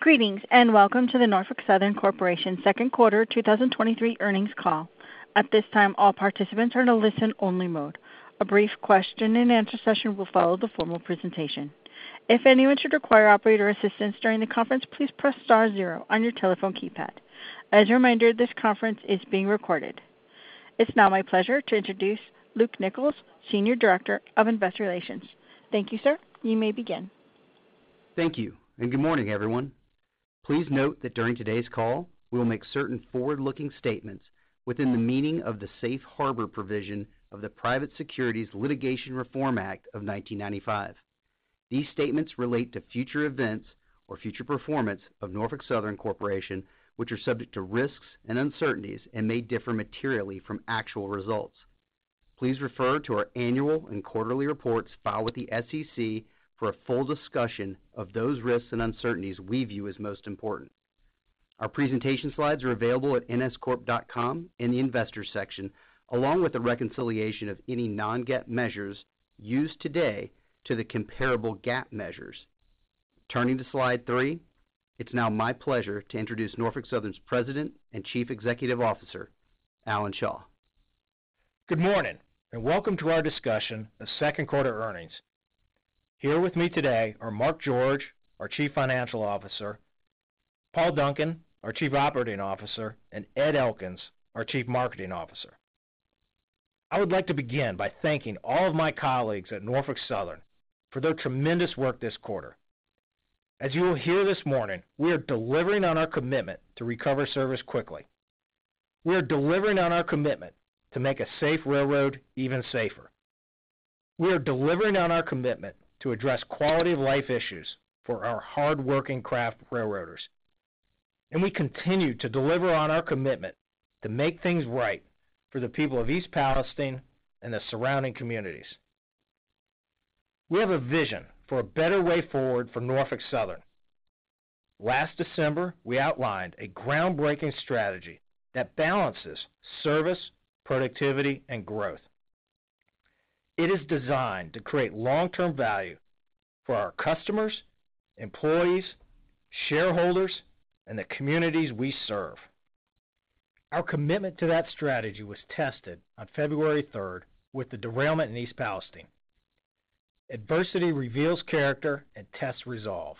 Greetings, and welcome to the Norfolk Southern Corporation Q2 2023 Earnings Call. At this time, all participants are in a listen-only mode. A brief Q&A session will follow the formal presentation. If anyone should require operator assistance during the conference, please press star 0 on your telephone keypad. As a reminder, this conference is being recorded. It's now my pleasure to introduce Luke Nichols, Senior Director of Investor Relations. Thank you, sir. You may begin. Thank you, and good morning, everyone. Please note that during today's call, we will make certain forward-looking statements within the meaning of the Safe Harbor provision of the Private Securities Litigation Reform Act of 1995. These statements relate to future events or future performance of Norfolk Southern Corporation, which are subject to risks and uncertainties and may differ materially from actual results. Please refer to our annual and quarterly reports filed with the SEC for a full discussion of those risks and uncertainties we view as most important. Our presentation slides are available at nscorp.com in the Investors section, along with a reconciliation of any non-GAAP measures used today to the comparable GAAP measures. Turning to slide 3, it's now my pleasure to introduce Norfolk Southern's President and Chief Executive Officer, Alan Shaw. Good morning, welcome to our discussion of Q2 earnings. Here with me today are Mark George, our Chief Financial Officer, Paul Duncan, our Chief Operating Officer, and Ed Elkins, our Chief Marketing Officer. I would like to begin by thanking all of my colleagues at Norfolk Southern for their tremendous work this quarter. As you will hear this morning, we are delivering on our commitment to recover service quickly. We are delivering on our commitment to make a safe railroad even safer. We are delivering on our commitment to address quality-of-life issues for our hardworking craft railroaders, we continue to deliver on our commitment to make things right for the people of East Palestine and the surrounding communities. We have a vision for a better way forward for Norfolk Southern. Last December, we outlined a groundbreaking strategy that balances service, productivity, and growth. It is designed to create long-term value for our customers, employees, shareholders, and the communities we serve. Our commitment to that strategy was tested on February 3rd with the derailment in East Palestine. Adversity reveals character and tests resolve.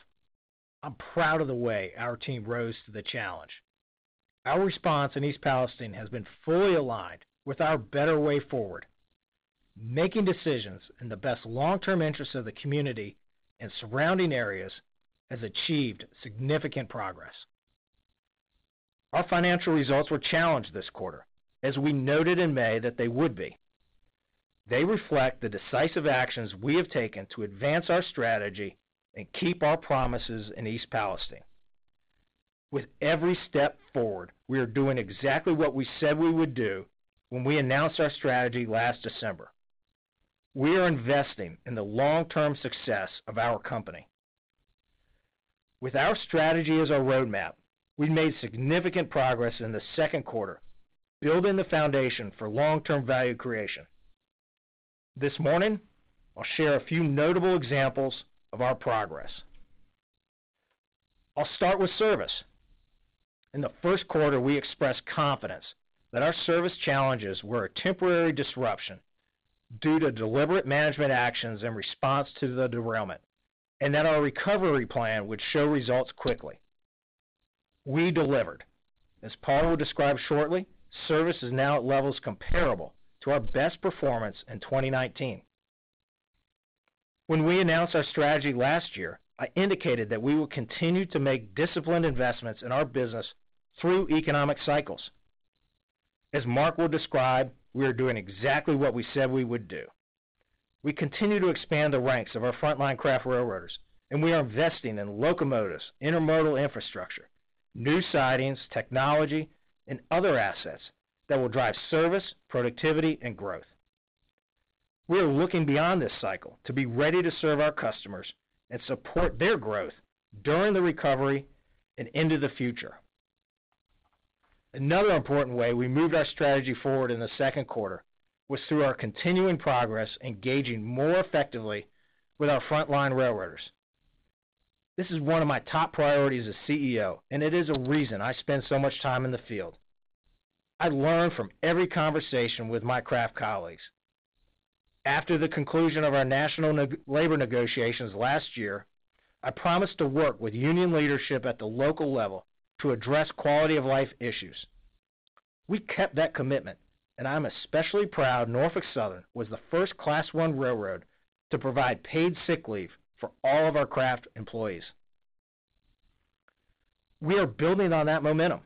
I'm proud of the way our team rose to the challenge. Our response in East Palestine has been fully aligned with our better way forward. Making decisions in the best long-term interests of the community and surrounding areas has achieved significant progress. Our financial results were challenged this quarter, as we noted in May that they would be. They reflect the decisive actions we have taken to advance our strategy and keep our promises in East Palestine. With every step forward, we are doing exactly what we said we would do when we announced our strategy last December. We are investing in the long-term success of our company. With our strategy as our roadmap, we made significant progress in the Q2, building the foundation for long-term value creation. This morning, I'll share a few notable examples of our progress. I'll start with service. In the Q1, we expressed confidence that our service challenges were a temporary disruption due to deliberate management actions in response to the derailment, that our recovery plan would show results quickly. We delivered. As Paul will describe shortly, service is now at levels comparable to our best performance in 2019. When we announced our strategy last year, I indicated that we will continue to make disciplined investments in our business through economic cycles. As Mark will describe, we are doing exactly what we said we would do. We continue to expand the ranks of our frontline craft railroaders, and we are investing in locomotives, intermodal infrastructure, new sidings, technology, and other assets that will drive service, productivity, and growth. We are looking beyond this cycle to be ready to serve our customers and support their growth during the recovery and into the future. Another important way we moved our strategy forward in the Q2 was through our continuing progress, engaging more effectively with our frontline railroaders. This is one of my top priorities as CEO, and it is a reason I spend so much time in the field. I learn from every conversation with my craft colleagues. After the conclusion of our national labor negotiations last year, I promised to work with union leadership at the local level to address quality-of-life issues. We kept that commitment. I'm especially proud Norfolk Southern was the first Class I railroad to provide paid sick leave for all of our craft employees. We are building on that momentum.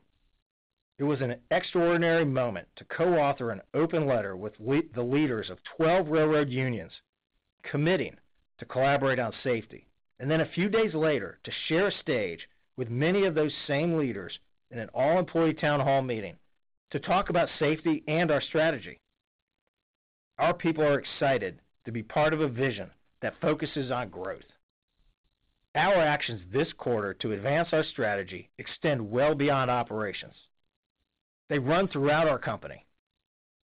It was an extraordinary moment to co-author an open letter with the leaders of 12 railroad unions, committing to collaborate on safety, and then a few days later, to share a stage with many of those same leaders in an all-employee town hall meeting to talk about safety and our strategy. Our people are excited to be part of a vision that focuses on growth. Our actions this quarter to advance our strategy extend well beyond operations. They run throughout our company.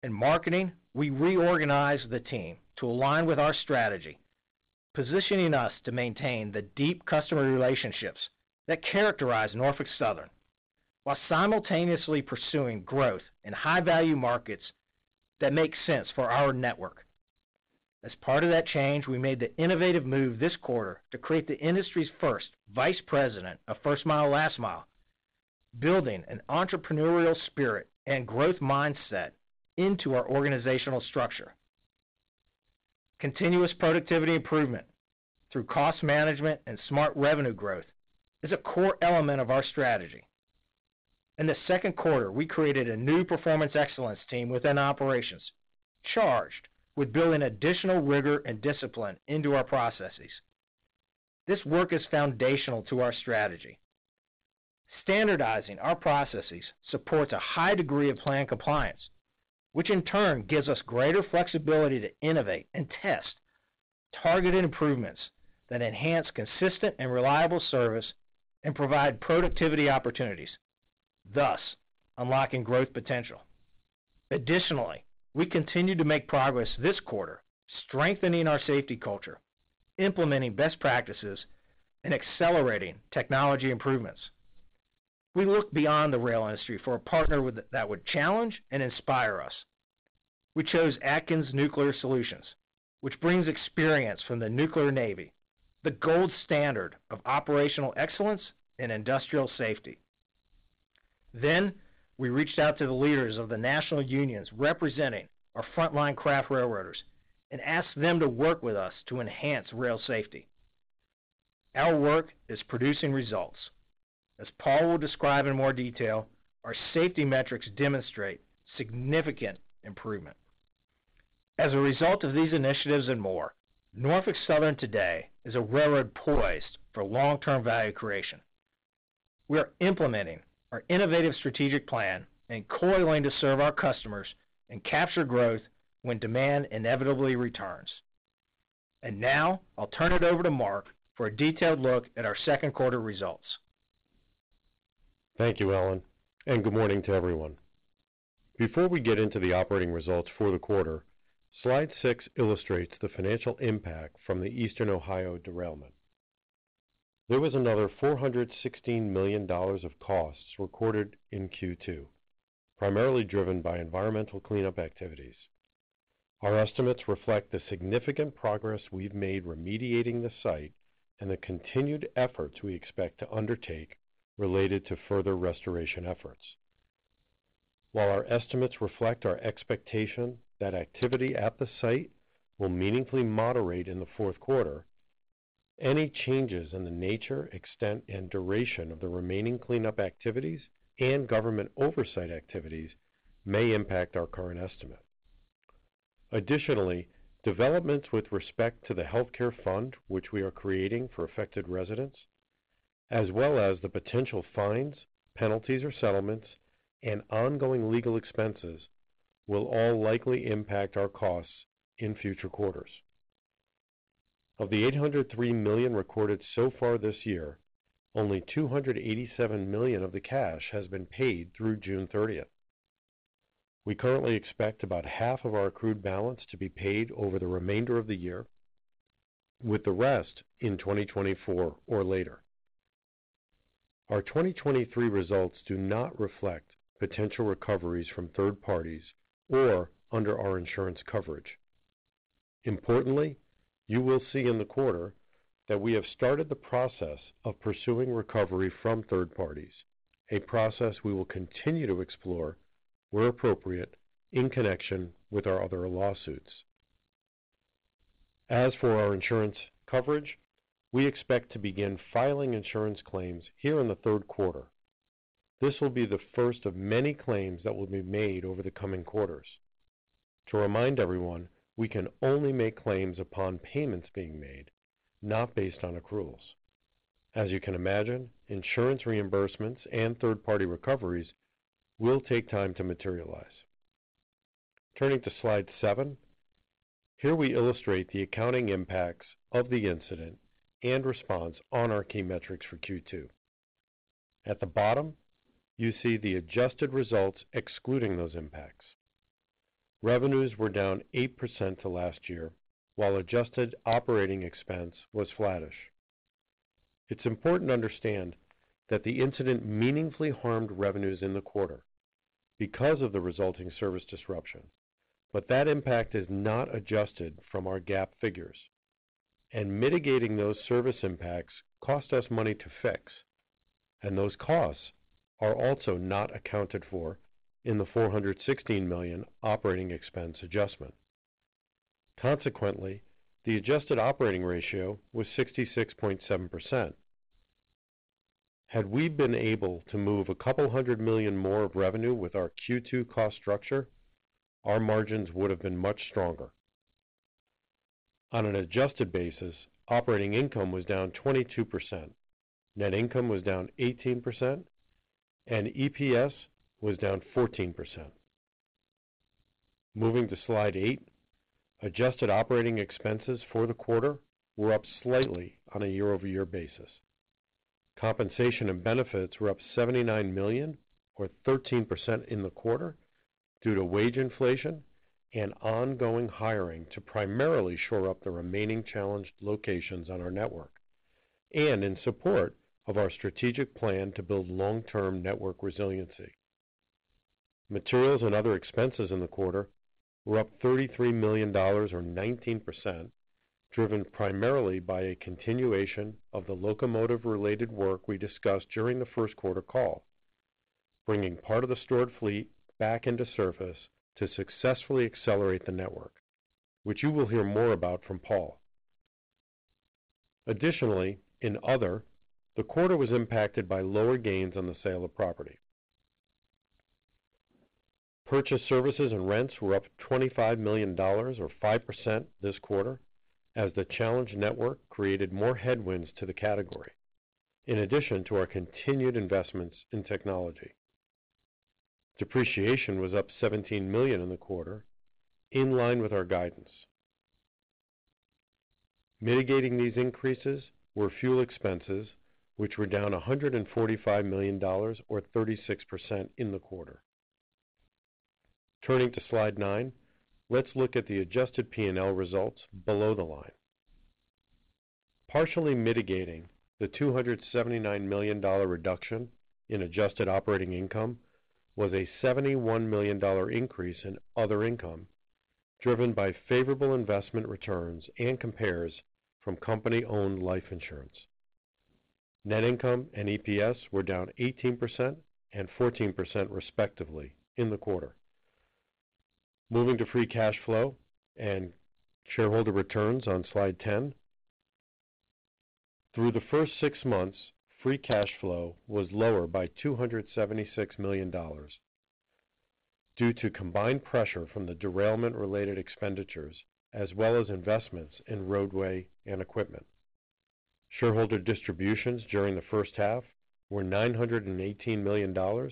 In marketing, we reorganized the team to align with our strategy, positioning us to maintain the deep customer relationships that characterize Norfolk Southern, while simultaneously pursuing growth in high-value markets that make sense for our network. As part of that change, we made the innovative move this quarter to create the industry's first Vice President of First Mile Last Mile, building an entrepreneurial spirit and growth mindset into our organizational structure. Continuous productivity improvement through cost management and smart revenue growth is a core element of our strategy. In the Q2, we created a new Performance Excellence team within operations, charged with building additional rigor and discipline into our processes. This work is foundational to our strategy. Standardizing our processes supports a high degree of plan compliance, which in turn gives us greater flexibility to innovate and test targeted improvements that enhance consistent and reliable service and provide productivity opportunities, thus unlocking growth potential. Additionally, we continued to make progress this quarter, strengthening our safety culture, implementing best practices, and accelerating technology improvements. We looked beyond the rail industry for a partner that would challenge and inspire us. We chose Atkins Nuclear Secured, which brings experience from the nuclear navy, the gold standard of operational excellence and industrial safety. We reached out to the leaders of the national unions representing our frontline craft railroaders and asked them to work with us to enhance rail safety. Our work is producing results. As Paul will describe in more detail, our safety metrics demonstrate significant improvement. As a result of these initiatives and more, Norfolk Southern today is a railroad poised for long-term value creation. We are implementing our innovative strategic plan and coiling to serve our customers and capture growth when demand inevitably returns. Now, I'll turn it over to Mark for a detailed look at our Q2 results. Thank you, Alan, and good morning to everyone. Before we get into the operating results for the quarter, slide six illustrates the financial impact from the Eastern Ohio derailment. There was another $416 million of costs recorded in Q2, primarily driven by environmental cleanup activities. Our estimates reflect the significant progress we've made remediating the site and the continued efforts we expect to undertake related to further restoration efforts. While our estimates reflect our expectation that activity at the site will meaningfully moderate in the Q4, any changes in the nature, extent, and duration of the remaining cleanup activities and government oversight activities may impact our current estimate. Additionally, developments with respect to the healthcare fund, which we are creating for affected residents, as well as the potential fines, penalties, or settlements and ongoing legal expenses, will all likely impact our costs in future quarters. Of the $803 million recorded so far this year, only $287 million of the cash has been paid through June 30th. We currently expect about half of our accrued balance to be paid over the remainder of the year, with the rest in 2024 or later. Our 2023 results do not reflect potential recoveries from 3rd parties or under our insurance coverage. Importantly, you will see in the quarter that we have started the process of pursuing recovery from 3rd parties, a process we will continue to explore, where appropriate, in connection with our other lawsuits. As for our insurance coverage, we expect to begin filing insurance claims here in the Q3. This will be the first of many claims that will be made over the coming quarters. To remind everyone, we can only make claims upon payments being made, not based on accruals. As you can imagine, insurance reimbursements and third-party recoveries will take time to materialize. Turning to slide 7, here we illustrate the accounting impacts of the incident and response on our key metrics for Q2. At the bottom, you see the adjusted results, excluding those impacts. Revenues were down 8% to last year, while adjusted operating expense was flattish. It's important to understand that the incident meaningfully harmed revenues in the quarter because of the resulting service disruption, but that impact is not adjusted from our GAAP figures, and mitigating those service impacts cost us money to fix, and those costs are also not accounted for in the $416 million operating expense adjustment. Consequently, the adjusted operating ratio was 66.7%. Had we been able to move $200 million more of revenue with our Q2 cost structure, our margins would have been much stronger. On an adjusted basis, operating income was down 22%, net income was down 18%, and EPS was down 14%. Moving to slide 8. Adjusted operating expenses for the quarter were up slightly on a year-over-year basis. Compensation and benefits were up $79 million, or 13% in the quarter, due to wage inflation and ongoing hiring to primarily shore up the remaining challenged locations on our network and in support of our strategic plan to build long-term network resiliency. Materials and other expenses in the quarter were up $33 million or 19%, driven primarily by a continuation of the locomotive-related work we discussed during the Q1 call, bringing part of the stored fleet back into service to successfully accelerate the network, which you will hear more about from Paul. Additionally, in other, the quarter was impacted by lower gains on the sale of property. Purchase services and rents were up $25 million or 5% this quarter, as the challenged network created more headwinds to the category, in addition to our continued investments in technology. Depreciation was up $17 million in the quarter, in line with our guidance. Mitigating these increases were fuel expenses, which were down $145 million or 36% in the quarter. Turning to slide 9, let's look at the adjusted P&L results below the line. Partially mitigating the $279 million reduction in adjusted operating income was a $71 million increase in other income, driven by favorable investment returns and compares from company-owned life insurance. Net income and EPS were down 18% and 14%, respectively, in the quarter. Moving to free cash flow and shareholder returns on slide 10. Through the first six months, free cash flow was lower by $276 million due to combined pressure from the derailment-related expenditures, as well as investments in roadway and equipment. Shareholder distributions during the first half were $918 million,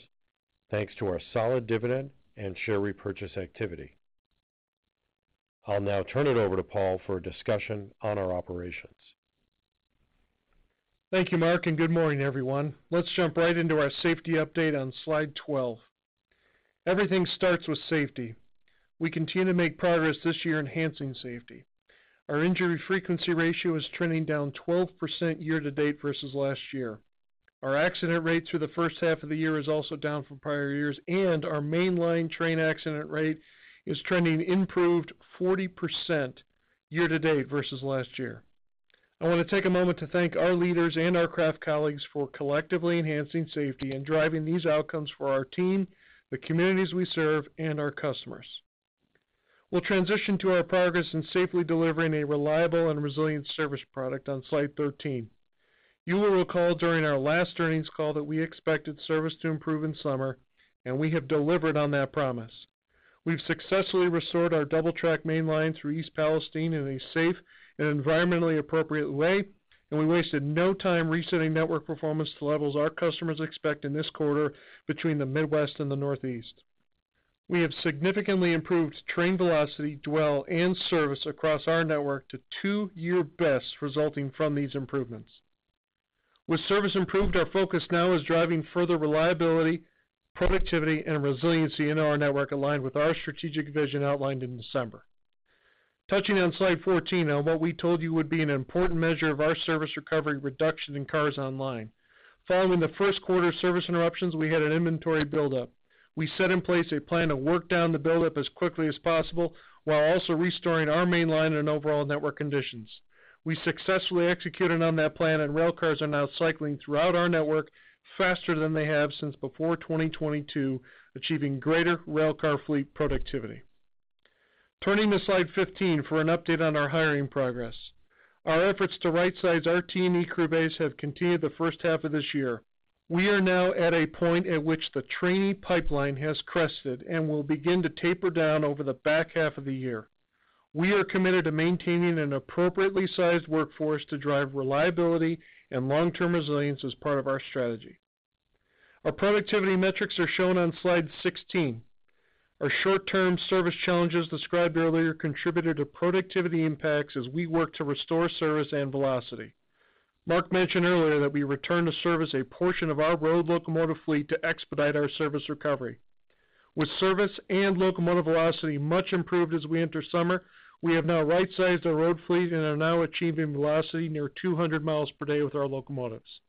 thanks to our solid dividend and share repurchase activity. I'll now turn it over to Paul for a discussion on our operations. Thank you, Mark. Good morning, everyone. Let's jump right into our safety update on slide 12. Everything starts with safety. We continue to make progress this year enhancing safety. Our injury frequency ratio is trending down 12% year-to-date versus last year. Our accident rate through the first half of the year is also down from prior years, and our mainline train accident rate is trending improved 40% year-to-date versus last year. I want to take a moment to thank our leaders and our craft colleagues for collectively enhancing safety and driving these outcomes for our team, the communities we serve, and our customers. We'll transition to our progress in safely delivering a reliable and resilient service product on slide 13. You will recall, during our last earnings call, that we expected service to improve in summer, and we have delivered on that promise. We've successfully restored our double track mainline through East Palestine in a safe and environmentally appropriate way. We wasted no time resetting network performance to levels our customers expect in this quarter between the Midwest and the Northeast. We have significantly improved train velocity, dwell, and service across our network to 2-year best resulting from these improvements. With service improved, our focus now is driving further reliability, productivity, and resiliency into our network, aligned with our strategic vision outlined in December. Touching on slide 14, on what we told you would be an important measure of our service recovery reduction in cars online. Following the Q1 service interruptions, we had an inventory buildup. We set in place a plan to work down the buildup as quickly as possible, while also restoring our mainline and overall network conditions. We successfully executed on that plan, and railcars are now cycling throughout our network faster than they have since before 2022, achieving greater railcar fleet productivity. Turning to slide 15 for an update on our hiring progress. Our efforts to rightsize our team and crew base have continued the first half of this year. We are now at a point at which the trainee pipeline has crested and will begin to taper down over the back half of the year. We are committed to maintaining an appropriately sized workforce to drive reliability and long-term resilience as part of our strategy. Our productivity metrics are shown on slide 16. Our short-term service challenges described earlier contributed to productivity impacts as we work to restore service and velocity. Mark mentioned earlier that we returned to service a portion of our road locomotive fleet to expedite our service recovery. With service and locomotive velocity much improved as we enter summer, we have now rightsized our road fleet and are now achieving velocity near 200 miles per day with our locomotives.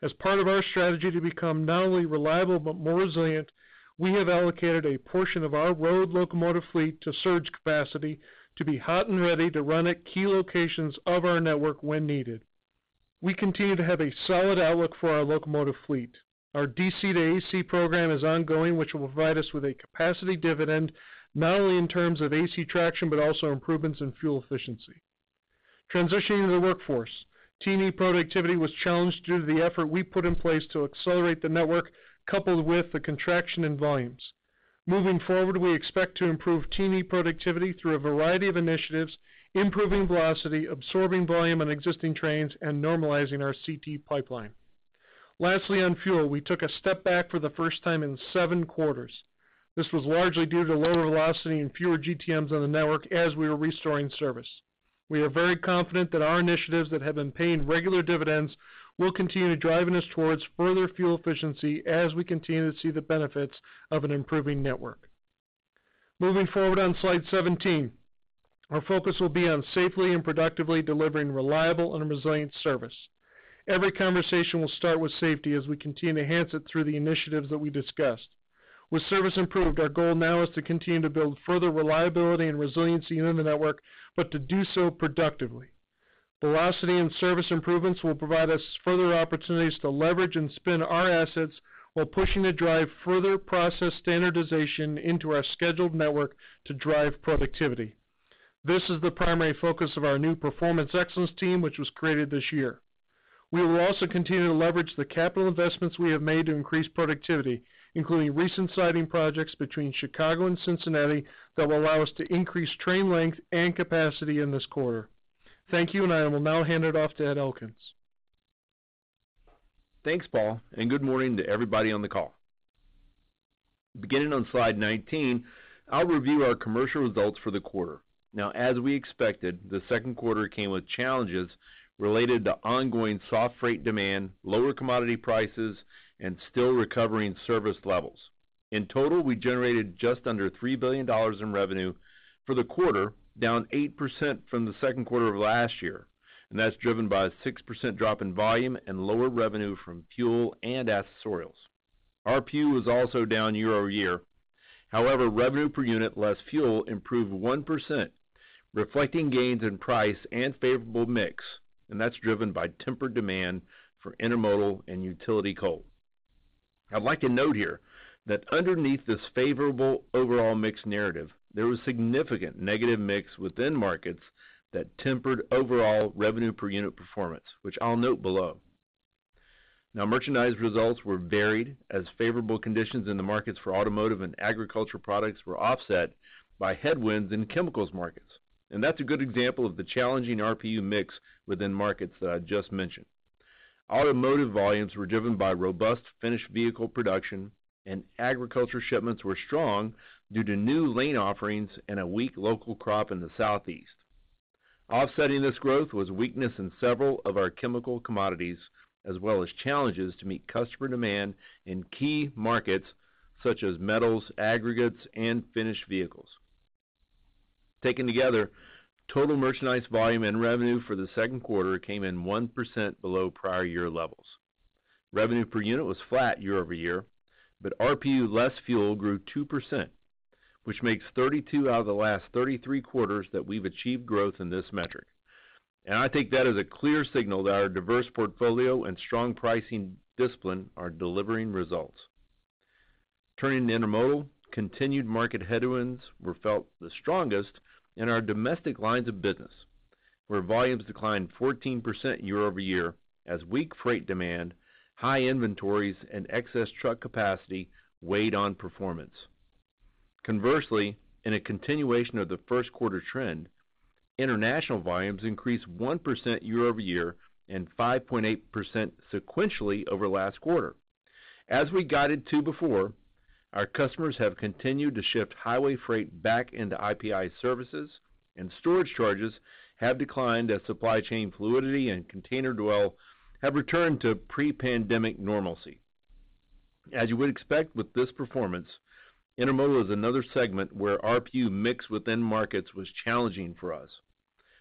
As part of our strategy to become not only reliable but more resilient, we have allocated a portion of our road locomotive fleet to surge capacity to be hot and ready to run at key locations of our network when needed. We continue to have a solid outlook for our locomotive fleet. Our DC to AC program is ongoing, which will provide us with a capacity dividend, not only in terms of AC traction, but also improvements in fuel efficiency. Transitioning to the workforce, team productivity was challenged due to the effort we put in place to accelerate the network, coupled with the contraction in volumes. Moving forward, we expect to improve team productivity through a variety of initiatives, improving velocity, absorbing volume on existing trains, and normalizing our CT pipeline. Lastly, on fuel, we took a step back for the first time in 7 quarters. This was largely due to lower velocity and fewer GTMs on the network as we were restoring service. We are very confident that our initiatives that have been paying regular dividends will continue driving us towards further fuel efficiency as we continue to see the benefits of an improving network. Moving forward on slide 17, our focus will be on safely and productively delivering reliable and resilient service. Every conversation will start with safety as we continue to enhance it through the initiatives that we discussed. With service improved, our goal now is to continue to build further reliability and resiliency in the network, but to do so productively. Velocity and service improvements will provide us further opportunities to leverage and spin our assets while pushing to drive further process standardization into our scheduled network to drive productivity. This is the primary focus of our new Performance Excellence team, which was created this year. We will also continue to leverage the capital investments we have made to increase productivity, including recent siding projects between Chicago and Cincinnati, that will allow us to increase train length and capacity in this quarter. Thank you, and I will now hand it off to Ed Elkins. Thanks, Paul, and good morning to everybody on the call. Beginning on slide 19, I'll review our commercial results for the quarter. As we expected, the Q2 came with challenges related to ongoing soft freight demand, lower commodity prices, and still recovering service levels. In total, we generated just under $3 billion in revenue for the quarter, down 8% from the Q2 of last year, and that's driven by a 6% drop in volume and lower revenue from fuel and accessorials. RPU was also down year-over-year. However, revenue per unit less fuel improved 1%, reflecting gains in price and favorable mix, and that's driven by tempered demand for intermodal and utility coal. I'd like to note here that underneath this favorable overall mix narrative, there was significant negative mix within markets that tempered overall revenue per unit performance, which I'll note below. Now, merchandise results were varied, as favorable conditions in the markets for automotive and agricultural products were offset by headwinds in chemicals markets. That's a good example of the challenging RPU mix within markets that I just mentioned. Automotive volumes were driven by robust finished vehicle production, and agriculture shipments were strong due to new lane offerings and a weak local crop in the Southeast. Offsetting this growth was weakness in several of our chemical commodities, as well as challenges to meet customer demand in key markets such as metals, aggregates, and finished vehicles. Taken together, total merchandise volume and revenue for the Q2 came in 1% below prior year levels. Revenue per unit was flat year-over-year, but RPU less fuel grew 2%, which makes 32 out of the last 33 quarters that we've achieved growth in this metric. I think that is a clear signal that our diverse portfolio and strong pricing discipline are delivering results. Turning to intermodal, continued market headwinds were felt the strongest in our domestic lines of business, where volumes declined 14% year-over-year as weak freight demand, high inventories, and excess truck capacity weighed on performance. Conversely, in a continuation of the Q1 trend, international volumes increased 1% year-over-year and 5.8% sequentially over last quarter. As we guided to before, our customers have continued to shift highway freight back into IPI services, and storage charges have declined as supply chain fluidity and container dwell have returned to pre-pandemic normalcy. As you would expect with this performance, intermodal is another segment where RPU mix within markets was challenging for us.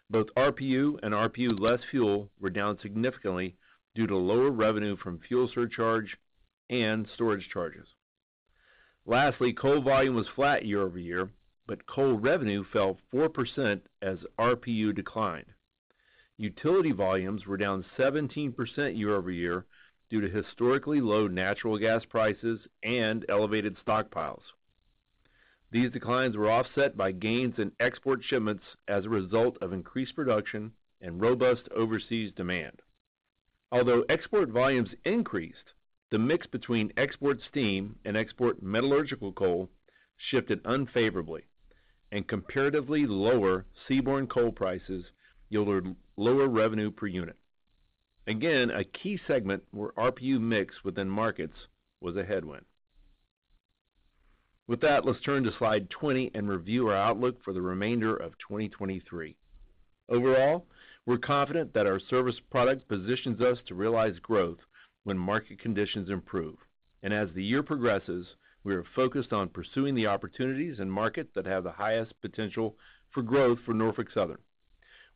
Both RPU and RPU less fuel were down significantly due to lower revenue from fuel surcharge and storage charges. Lastly, coal volume was flat year-over-year, but coal revenue fell 4% as RPU declined. Utility volumes were down 17% year-over-year due to historically low natural gas prices and elevated stockpiles. These declines were offset by gains in export shipments as a result of increased production and robust overseas demand. Although export volumes increased, the mix between export steam and export metallurgical coal shifted unfavorably and comparatively lower seaborne coal prices yielded lower revenue per unit. Again, a key segment where RPU mix within markets was a headwind. With that, let's turn to slide 20 and review our outlook for the remainder of 2023. Overall, we're confident that our service product positions us to realize growth when market conditions improve. As the year progresses, we are focused on pursuing the opportunities in market that have the highest potential for growth for Norfolk Southern.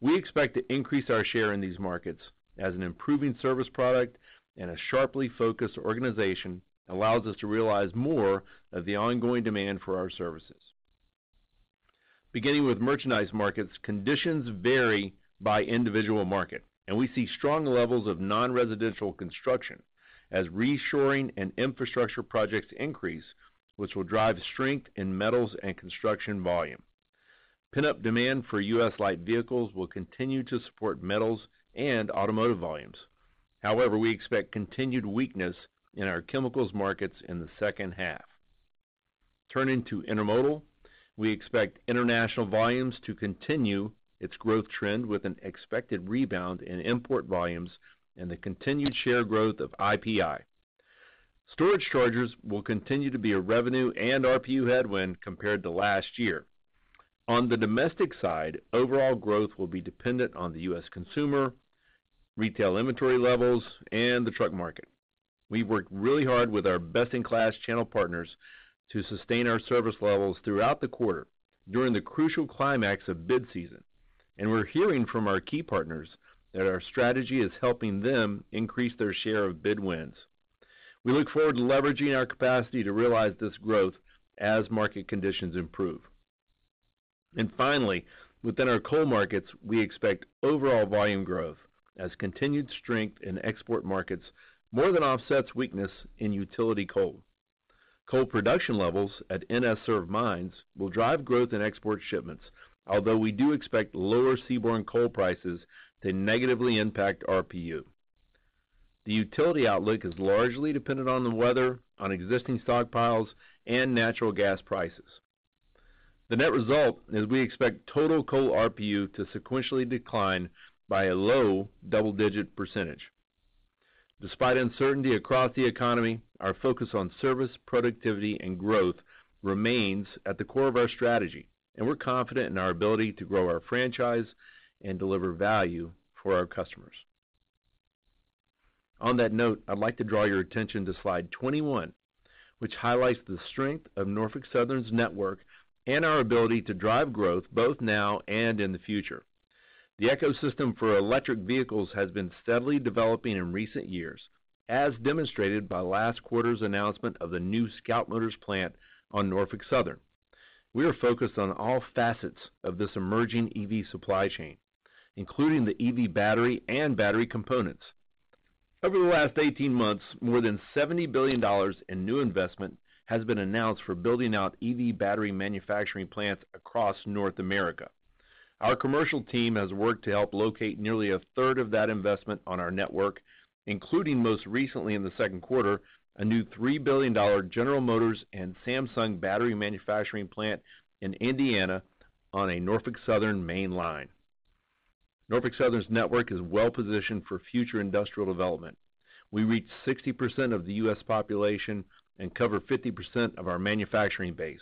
We expect to increase our share in these markets as an improving service product and a sharply focused organization allows us to realize more of the ongoing demand for our services. Beginning with merchandise markets, conditions vary by individual market, and we see strong levels of non-residential construction as reshoring and infrastructure projects increase, which will drive strength in metals and construction volume. Pent-up demand for U.S. light vehicles will continue to support metals and automotive volumes. However, we expect continued weakness in our chemicals markets in the second half. Turning to intermodal, we expect international volumes to continue its growth trend with an expected rebound in import volumes and the continued share growth of IPI. Storage chargers will continue to be a revenue and RPU headwind compared to last year. On the domestic side, overall growth will be dependent on the U.S. consumer, retail inventory levels, and the truck market. We've worked really hard with our best-in-class channel partners to sustain our service levels throughout the quarter during the crucial climax of bid season, and we're hearing from our key partners that our strategy is helping them increase their share of bid wins. We look forward to leveraging our capacity to realize this growth as market conditions improve. Finally, within our coal markets, we expect overall volume growth as continued strength in export markets more than offsets weakness in utility coal. Coal production levels at NS served mines will drive growth in export shipments, although we do expect lower seaborne coal prices to negatively impact RPU. The utility outlook is largely dependent on the weather, on existing stockpiles, and natural gas prices. The net result is we expect total coal RPU to sequentially decline by a low double-digit %. Despite uncertainty across the economy, our focus on service, productivity, and growth remains at the core of our strategy, and we're confident in our ability to grow our franchise and deliver value for our customers. On that note, I'd like to draw your attention to slide 21, which highlights the strength of Norfolk Southern's network and our ability to drive growth both now and in the future. The ecosystem for electric vehicles has been steadily developing in recent years, as demonstrated by last quarter's announcement of the new Scout Motors plant on Norfolk Southern. We are focused on all facets of this emerging EV supply chain, including the EV battery and battery components. Over the last 18 months, more than $70 billion in new investment has been announced for building out EV battery manufacturing plants across North America. Our commercial team has worked to help locate nearly a third of that investment on our network, including, most recently in the Q2, a new $3 billion General Motors and Samsung battery manufacturing plant in Indiana on a Norfolk Southern mainline. Norfolk Southern's network is well-positioned for future industrial development. We reach 60% of the U.S. population and cover 50% of our manufacturing base.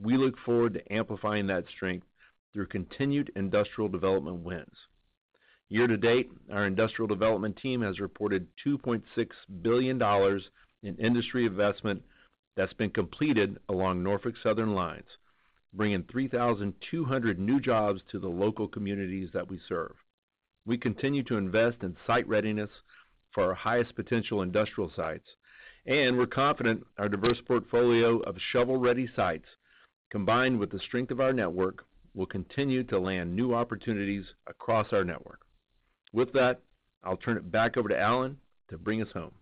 We look forward to amplifying that strength through continued industrial development wins. Year to date, our industrial development team has reported $2.6 billion in industry investment that's been completed along Norfolk Southern lines, bringing 3,200 new jobs to the local communities that we serve. We continue to invest in site readiness for our highest potential industrial sites, and we're confident our diverse portfolio of shovel-ready sites, combined with the strength of our network, will continue to land new opportunities across our network. With that, I'll turn it back over to Alan to bring us home.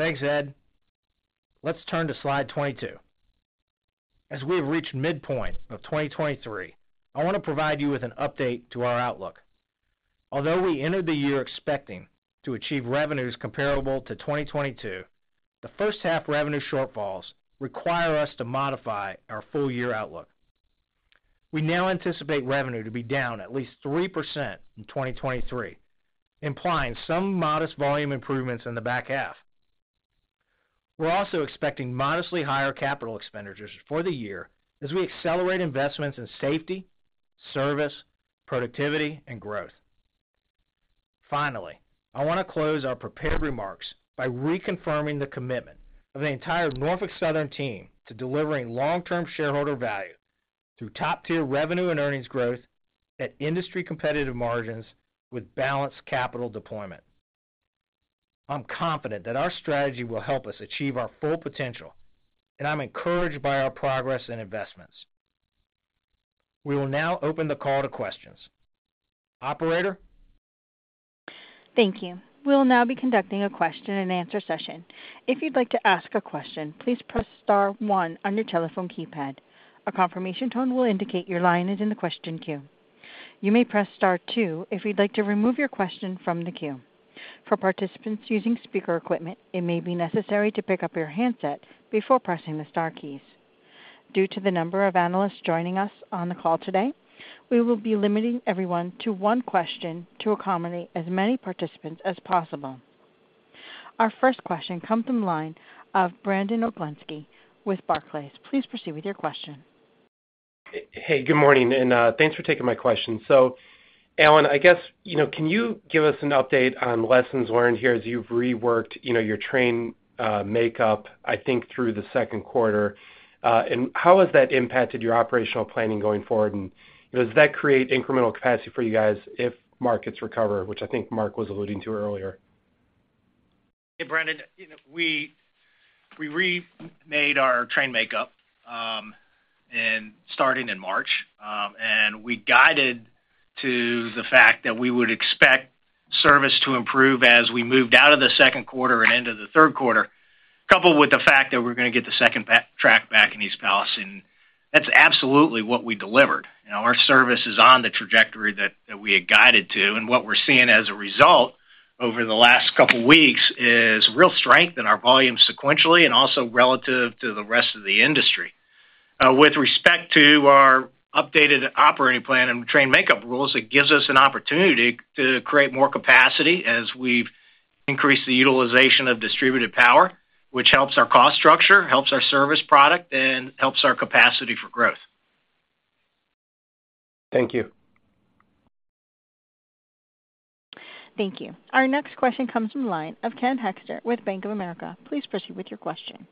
Thanks, Ed. Let's turn to slide 22. As we've reached midpoint of 2023, I want to provide you with an update to our outlook. Although we entered the year expecting to achieve revenues comparable to 2022, the first half revenue shortfalls require us to modify our full year outlook. We now anticipate revenue to be down at least 3% in 2023, implying some modest volume improvements in the back half. We're also expecting modestly higher capital expenditures for the year as we accelerate investments in safety, service, productivity, and growth. Finally, I want to close our prepared remarks by reconfirming the commitment of the entire Norfolk Southern team to delivering long-term shareholder value through top-tier revenue and earnings growth at industry competitive margins with balanced capital deployment. I'm confident that our strategy will help us achieve our full potential. I'm encouraged by our progress and investments. We will now open the call to questions. Operator? Thank you. We'll now be conducting a Q&A session. If you'd like to ask a question, please press star one on your telephone keypad. A confirmation tone will indicate your line is in the question queue. You may press star two if you'd like to remove your question from the queue. For participants using speaker equipment, it may be necessary to pick up your handset before pressing the star keys. Due to the number of analysts joining us on the call today, we will be limiting everyone to one question to accommodate as many participants as possible. Our first question comes from the line of Brandon Oglenski with Barclays. Please proceed with your question. Hey, good morning, and thanks for taking my question. Alan, I guess, you know, can you give us an update on lessons learned here as you've reworked, you know, your train makeup, I think, through the Q2? How has that impacted your operational planning going forward? Does that create incremental capacity for you guys if markets recover, which I think Mark was alluding to earlier? Hey, Brandon, you know, we remade our train makeup, starting in March, and we guided to the fact that we would expect service to improve as we moved out of the Q2 and into the Q3, coupled with the fact that we're gonna get the second track back in East Palestine, and that's absolutely what we delivered. Our service is on the trajectory that we had guided to, and what we're seeing as a result.... over the last couple weeks is real strength in our volume sequentially and also relative to the rest of the industry. With respect to our updated operating plan and train makeup rules, it gives us an opportunity to create more capacity as we've increased the utilization of distributed power, which helps our cost structure, helps our service product, and helps our capacity for growth. Thank you. Thank you. Our next question comes from the line of Ken Hoexter with Bank of America. Please proceed with your question.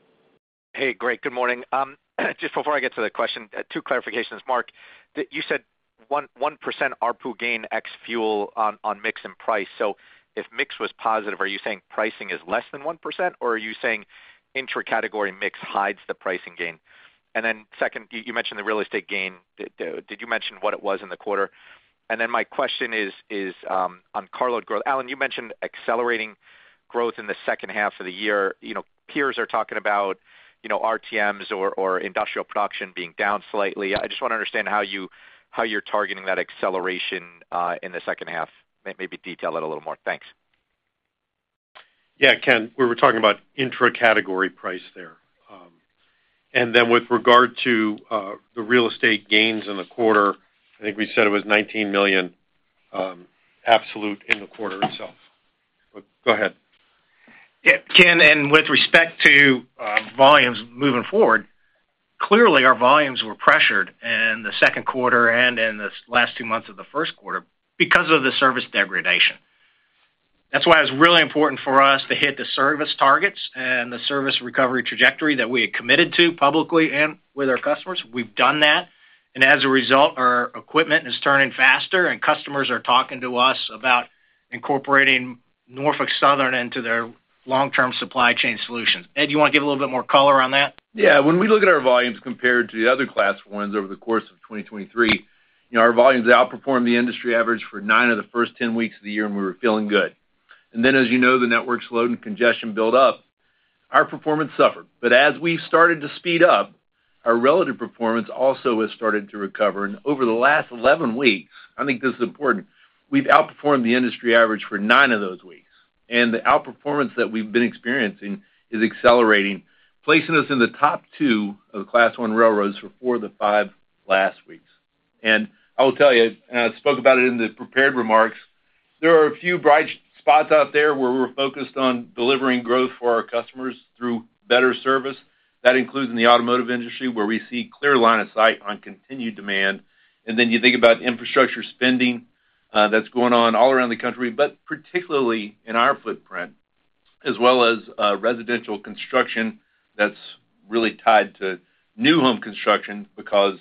Hey, great. Good morning. Just before I get to the question, 2 clarifications. Mark, you said 1, 1% ARPU gain ex fuel on mix and price. If mix was positive, are you saying pricing is less than 1%, or are you saying intra-category mix hides the pricing gain? Second, you mentioned the real estate gain. Did you mention what it was in the quarter? My question is on carload growth. Alan, you mentioned accelerating growth in the second half of the year. You know, peers are talking about, you know, RTMs or industrial production being down slightly. I just want to understand how you're targeting that acceleration in the second half. Maybe detail it a little more. Thanks. Yeah, Ken, we were talking about intra-category price there. With regard to the real estate gains in the quarter, I think we said it was $19 million absolute in the quarter itself. Go ahead. Yeah, Ken. With respect to volumes moving forward, clearly, our volumes were pressured in the Q2 and in the last two months of the Q1 because of the service degradation. That's why it's really important for us to hit the service targets and the service recovery trajectory that we had committed to publicly and with our customers. We've done that. As a result, our equipment is turning faster, and customers are talking to us about incorporating Norfolk Southern into their long-term supply chain solutions. Ed, do you wanna give a little bit more color on that? Yeah. When we look at our volumes compared to the other Class Is over the course of 2023, you know, our volumes outperformed the industry average for nine of the first 10 weeks of the year, and we were feeling good. Then, as you know, the network's load and congestion built up, our performance suffered. As we started to speed up, our relative performance also has started to recover. Over the last 11 weeks, I think this is important, we've outperformed the industry average for nine of those weeks. The outperformance that we've been experiencing is accelerating, placing us in the top two of Class I railroads for four of the five last weeks. I will tell you, and I spoke about it in the prepared remarks, there are a few bright spots out there where we're focused on delivering growth for our customers through better service. That includes in the automotive industry, where we see clear line of sight on continued demand. Then you think about infrastructure spending, that's going on all around the country, but particularly in our footprint, as well as residential construction that's really tied to new home construction because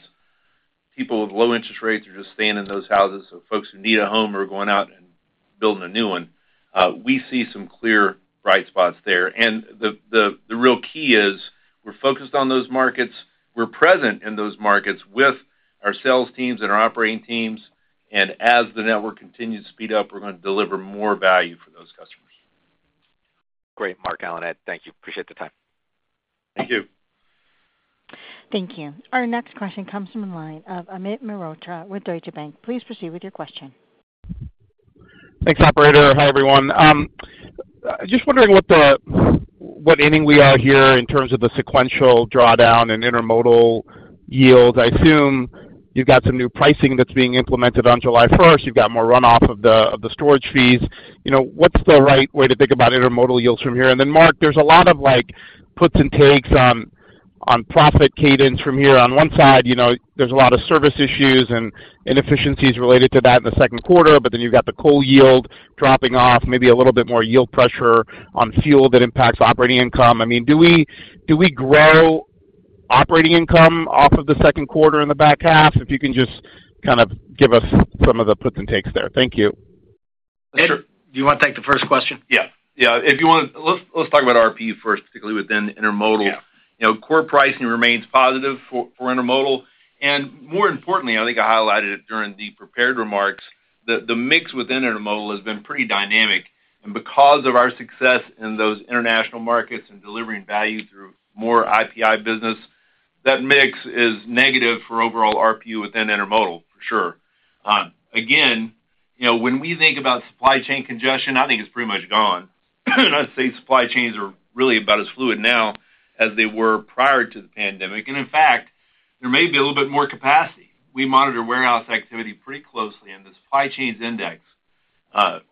people with low interest rates are just staying in those houses, so folks who need a home are going out and building a new one. We see some clear bright spots there. The real key is, we're focused on those markets, we're present in those markets with our sales teams and our operating teams, and as the network continues to speed up, we're gonna deliver more value for those customers. Great, Mark, Alan, Ed, thank you. Appreciate the time. Thank you. Thank you. Our next question comes from the line of Amit Mehrotra with Deutsche Bank. Please proceed with your question. Thanks, operator. Hi, everyone. Just wondering what the, what inning we are here in terms of the sequential drawdown and intermodal yields. I assume you've got some new pricing that's being implemented on July 1st. You've got more runoff of the storage fees. You know, what's the right way to think about intermodal yields from here? Mark, there's a lot of, like, puts and takes on profit cadence from here. On one side, you know, there's a lot of service issues and inefficiencies related to that in the Q2, you've got the coal yield dropping off, maybe a little bit more yield pressure on fuel that impacts operating income. I mean, do we grow operating income off of the Q2 in the back half? If you can just kind of give us some of the puts and takes there. Thank you. Ed, do you wanna take the first question? Yeah. Yeah, if you want, let's talk about RPU first, particularly within intermodal. Yeah. You know, core pricing remains positive for intermodal. More importantly, I think I highlighted it during the prepared remarks, the mix within intermodal has been pretty dynamic. Because of our success in those international markets and delivering value through more IPI business, that mix is negative for overall RPU within intermodal, for sure. Again, you know, when we think about supply chain congestion, I think it's pretty much gone. I'd say supply chains are really about as fluid now as they were prior to the pandemic, and in fact, there may be a little bit more capacity. We monitor warehouse activity pretty closely, and the Logistics Managers Index,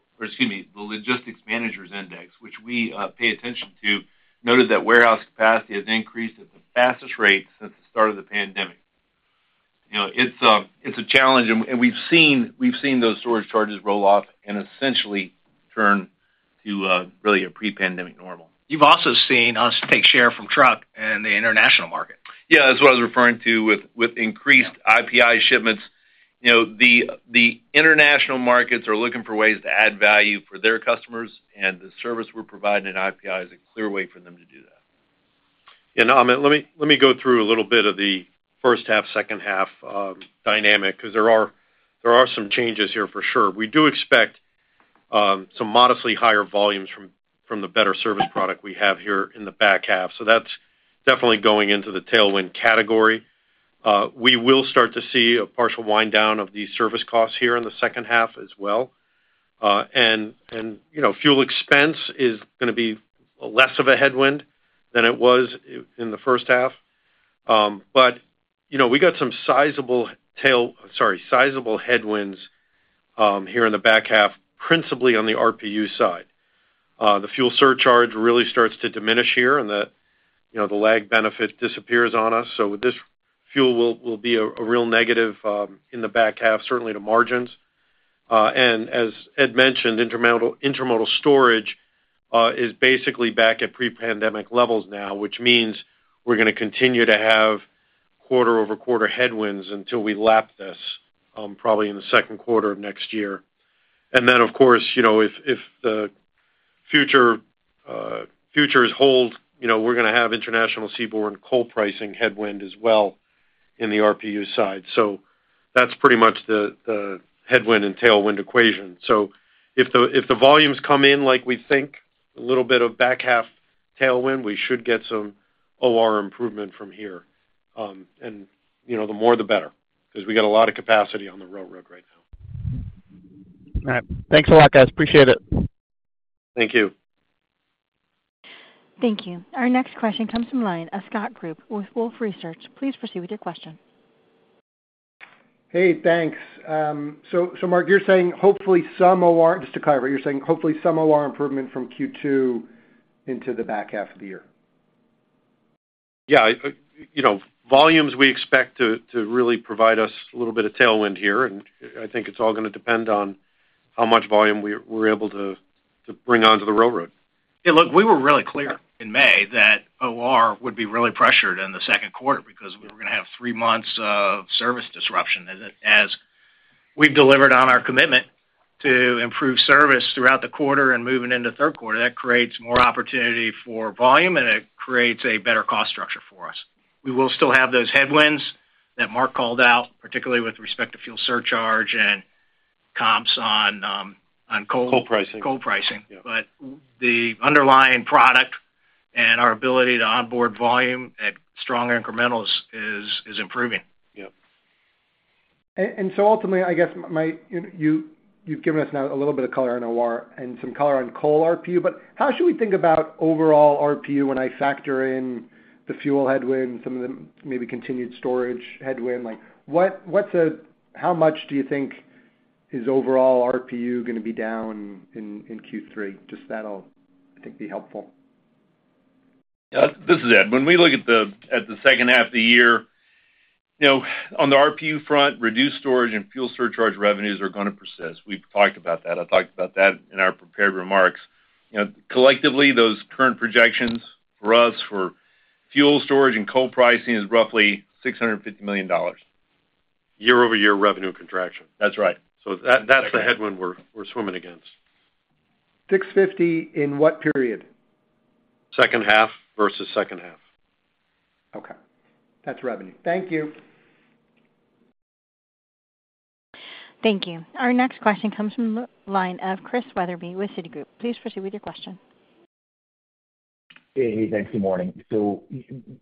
or excuse me, the Logistics Managers' Index, which we pay attention to, noted that warehouse capacity has increased at the fastest rate since the start of the pandemic. You know, it's a challenge, and we've seen those storage charges roll off and essentially turn to really a pre-pandemic normal. You've also seen us take share from truck in the international market. Yeah, that's what I was referring to with increased IPI shipments. You know, the international markets are looking for ways to add value for their customers, and the service we're providing in IPI is a clear way for them to do that. Amit, let me go through a little bit of the first half, second half dynamic, because there are some changes here for sure. We do expect some modestly higher volumes from the better service product we have here in the back half, that's definitely going into the tailwind category. We will start to see a partial wind down of the service costs here in the second half as well. You know, fuel expense is gonna be less of a headwind than it was in the first half. You know, we got some sizable headwinds here in the back half, principally on the RPU side. The fuel surcharge really starts to diminish here, and the, you know, the lag benefit disappears on us. This fuel will be a real negative in the back half, certainly to margins. As Ed mentioned, intermodal storage is basically back at pre-pandemic levels now, which means we're gonna continue to have quarter-over-quarter headwinds until we lap this, probably in the Q2 of next year. Then, of course, you know, if the future futures hold, you know, we're gonna have international seaborne coal pricing headwind as well in the RPU side. That's pretty much the headwind and tailwind equation. If the volumes come in like we think, a little bit of back half tailwind, we should get some OR improvement from here. And, you know, the more the better, 'cause we got a lot of capacity on the railroad right now. All right. Thanks a lot, guys. Appreciate it. Thank you. Thank you. Our next question comes from the line of Scott Group with Wolfe Research. Please proceed with your question. Hey, thanks. Mark, you're saying hopefully some OR... Just to clarify, you're saying hopefully some OR improvement from Q2 into the back half of the year? Yeah, I, you know, volumes we expect to really provide us a little bit of tailwind here, and I think it's all gonna depend on how much volume we're able to bring onto the railroad. Yeah, look, we were really clear in May that OR would be really pressured in the Q2 because we were gonna have three months of service disruption. As we've delivered on our commitment to improve service throughout the quarter and moving into Q3, that creates more opportunity for volume, and it creates a better cost structure for us. We will still have those headwinds that Mark called out, particularly with respect to fuel surcharge and comps on, on coal- Coal pricing. Coal pricing. Yeah. The underlying product and our ability to onboard volume at stronger incrementals is improving. Yep. Ultimately, I guess you've given us now a little bit of color on OR and some color on coal RPU. How should we think about overall RPU when I factor in the fuel headwind, some of the maybe continued storage headwind? Like, what's how much do you think is overall RPU gonna be down in Q3? Just that'll, I think, be helpful. This is Ed. When we look at the second half of the year, you know, on the RPU front, reduced storage and fuel surcharge revenues are gonna persist. We've talked about that. I talked about that in our prepared remarks. You know, collectively, those current projections for us for fuel storage and coal pricing is roughly $650 million. Year-over-year revenue contraction. That's right. That's the headwind we're swimming against. $650 in what period? Second half versus second half. Okay. That's revenue. Thank you. Thank you. Our next question comes from the line of Christian Wetherbee with Citigroup. Please proceed with your question. Hey, thanks. Good morning.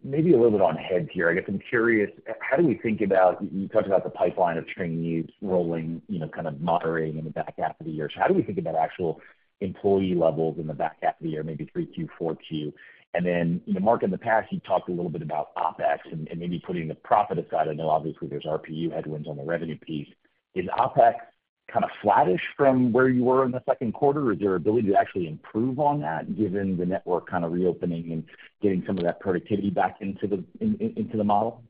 Maybe a little bit on heads here. I guess I'm curious, how do we think about, you talked about the pipeline of trainees rolling, you know, kind of moderating in the back half of the year. How do we think about actual employee levels in the back half of the year, maybe 3Q, 4Q? Then, you know, Mark, in the past, you talked a little bit about OpEx and, and maybe putting the profit aside. I know obviously there's RPU headwinds on the revenue piece. Is OpEx kind of flattish from where you were in the Q2, or is there ability to actually improve on that, given the network kind of reopening and getting some of that productivity back into the model?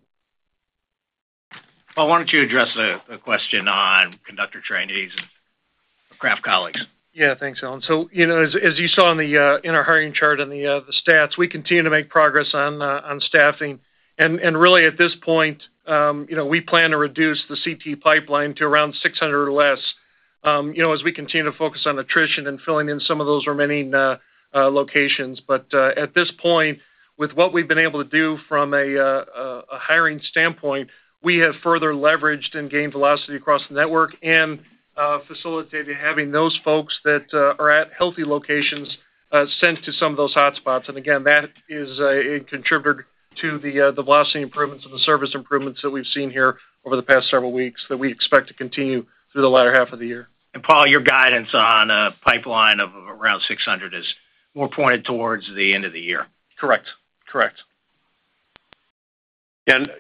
Paul, why don't you address the question on conductor trainees and craft colleagues? Yeah, thanks, Alan. You know, as you saw in the, in our hiring chart on the stats, we continue to make progress on staffing. Really, at this point, you know, we plan to reduce the CT pipeline to around 600 or less, you know, as we continue to focus on attrition and filling in some of those remaining locations. At this point, with what we've been able to do from a hiring standpoint, we have further leveraged and gained velocity across the network and facilitated having those folks that are at healthy locations sent to some of those hotspots. Again, that is, it contributed to the velocity improvements and the service improvements that we've seen here over the past several weeks, that we expect to continue through the latter half of the year. Paul, your guidance on a pipeline of around 600 is more pointed towards the end of the year? Correct. Correct.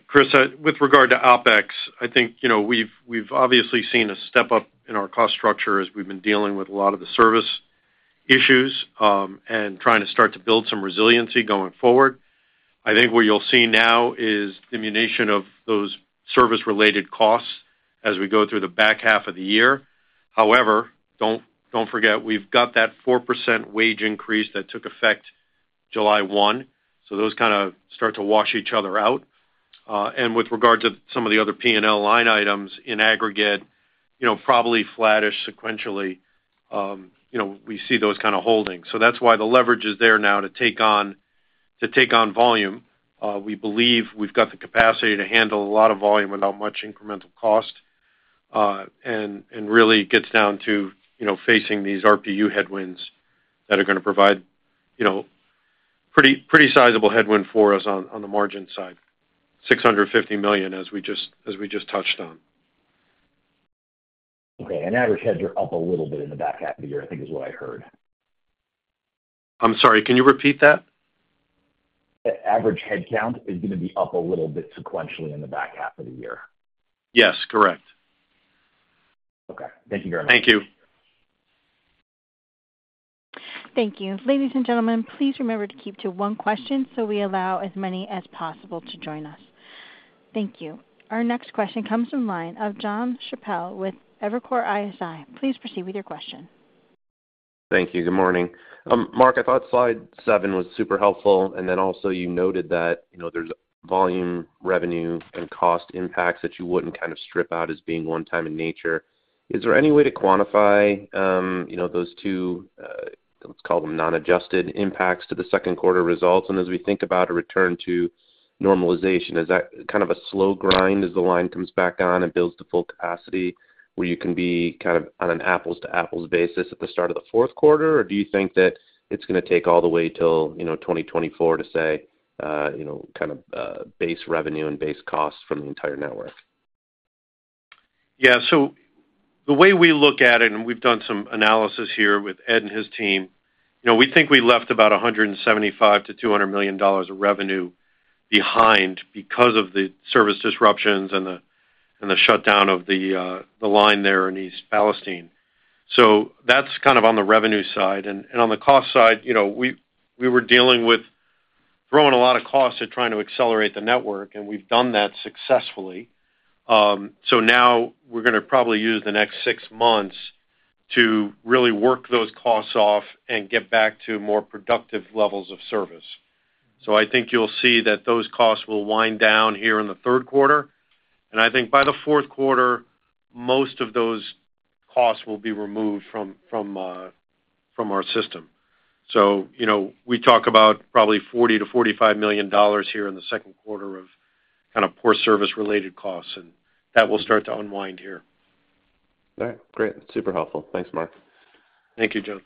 Chris, with regard to OpEx, I think, you know, we've obviously seen a step-up in our cost structure as we've been dealing with a lot of the service issues and trying to start to build some resiliency going forward. I think what you'll see now is ammunition of those service-related costs as we go through the back half of the year. However, don't forget, we've got that 4% wage increase that took effect July 1. Those kind of start to wash each other out. With regard to some of the other P&L line items in aggregate, you know, probably flattish sequentially, you know, we see those kind of holding. That's why the leverage is there now to take on volume. We believe we've got the capacity to handle a lot of volume without much incremental cost. Really gets down to, you know, facing these RPU headwinds that are going to provide, you know, pretty sizable headwind for us on, on the margin side. $650 million, as we just touched on. Okay. Average heads are up a little bit in the back half of the year, I think is what I heard. I'm sorry, can you repeat that? The average headcount is going to be up a little bit sequentially in the back half of the year. Yes, correct. Okay. Thank you very much. Thank you. Thank you. Ladies and gentlemen, please remember to keep to one question so we allow as many as possible to join us. Thank you. Our next question comes from line of Jonathan Chappell with Evercore ISI. Please proceed with your question. Thank you. Good morning. Mark, I thought slide 7 was super helpful, and then also you noted that, you know, there's volume, revenue, and cost impacts that you wouldn't kind of strip out as being one time in nature. Is there any way to quantify, you know, those two, let's call them non-adjusted impacts to the Q2 results? As we think about a return to normalization, is that kind of a slow grind as the line comes back on and builds to full capacity, where you can be kind of on an apples-to-apples basis at the start of the Q4? Or do you think that it's going to take all the way till, you know, 2024 to say, you know, kind of, base revenue and base costs from the entire network? The way we look at it, and we've done some analysis here with Ed and his team, you know, we think we left about $175 million-$200 million of revenue behind because of the service disruptions and the, and the shutdown of the line there in East Palestine. That's kind of on the revenue side and, and on the cost side, you know, we, we were dealing with throwing a lot of costs at trying to accelerate the network, and we've done that successfully. Now we're going to probably use the next six months to really work those costs off and get back to more productive levels of service. I think you'll see that those costs will wind down here in the Q3, and I think by the Q4, most of those costs will be removed from, from our system. You know, we talk about probably $40 million-$45 million here in the Q2 of kind of poor service-related costs, and that will start to unwind here. All right, great. Super helpful. Thanks, Mark. Thank you, John.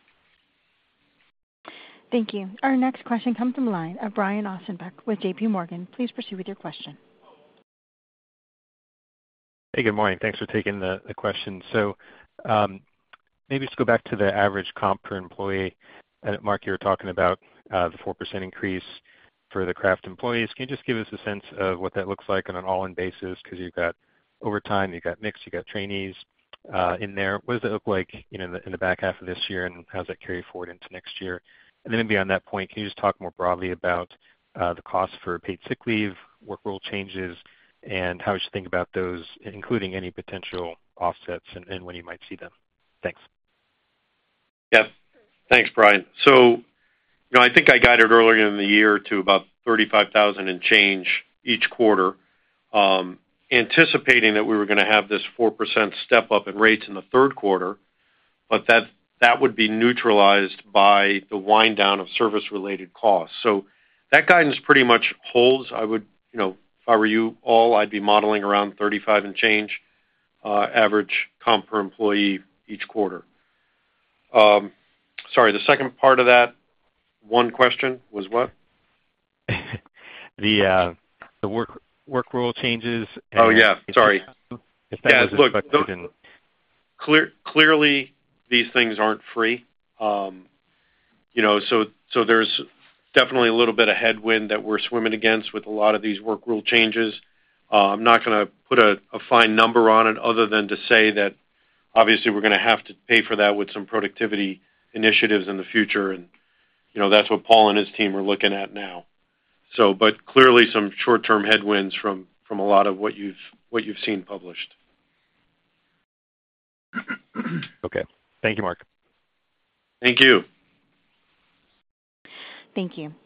Thank you. Our next question comes from line of Brian Ossenbeck with JP Morgan. Please proceed with your question. Hey, good morning. Thanks for taking the question. Maybe just go back to the average comp per employee. Mark, you were talking about the 4% increase for the craft employees. Can you just give us a sense of what that looks like on an all-in basis? Because you've got overtime, you've got mix, you've got trainees in there. What does it look like, you know, in the back half of this year, and how does that carry forward into next year? Then beyond that point, can you just talk more broadly about the cost for paid sick leave, work rule changes, and how we should think about those, including any potential offsets and when you might see them? Thanks. Yeah. Thanks, Brian. You know, I think I guided earlier in the year to about $35,000 and change each quarter, anticipating that we were going to have this 4% step up in rates in the Q3, but that would be neutralized by the wind down of service-related costs. That guidance pretty much holds. I would. You know, if I were you all, I'd be modeling around $35 and change average comp per employee each quarter. Sorry, the second part of that one question was what? The work rule changes. Oh, yeah. Sorry. If that was reflected in-. Look, clearly, these things aren't free. You know, so there's definitely a little bit of headwind that we're swimming against with a lot of these work rule changes. I'm not going to put a fine number on it other than to say that obviously we're going to have to pay for that with some productivity initiatives in the future, and, you know, that's what Paul and his team are looking at now. Clearly, some short-term headwinds from a lot of what you've, what you've seen published. Okay. Thank you, Mark. Thank you. Thank you.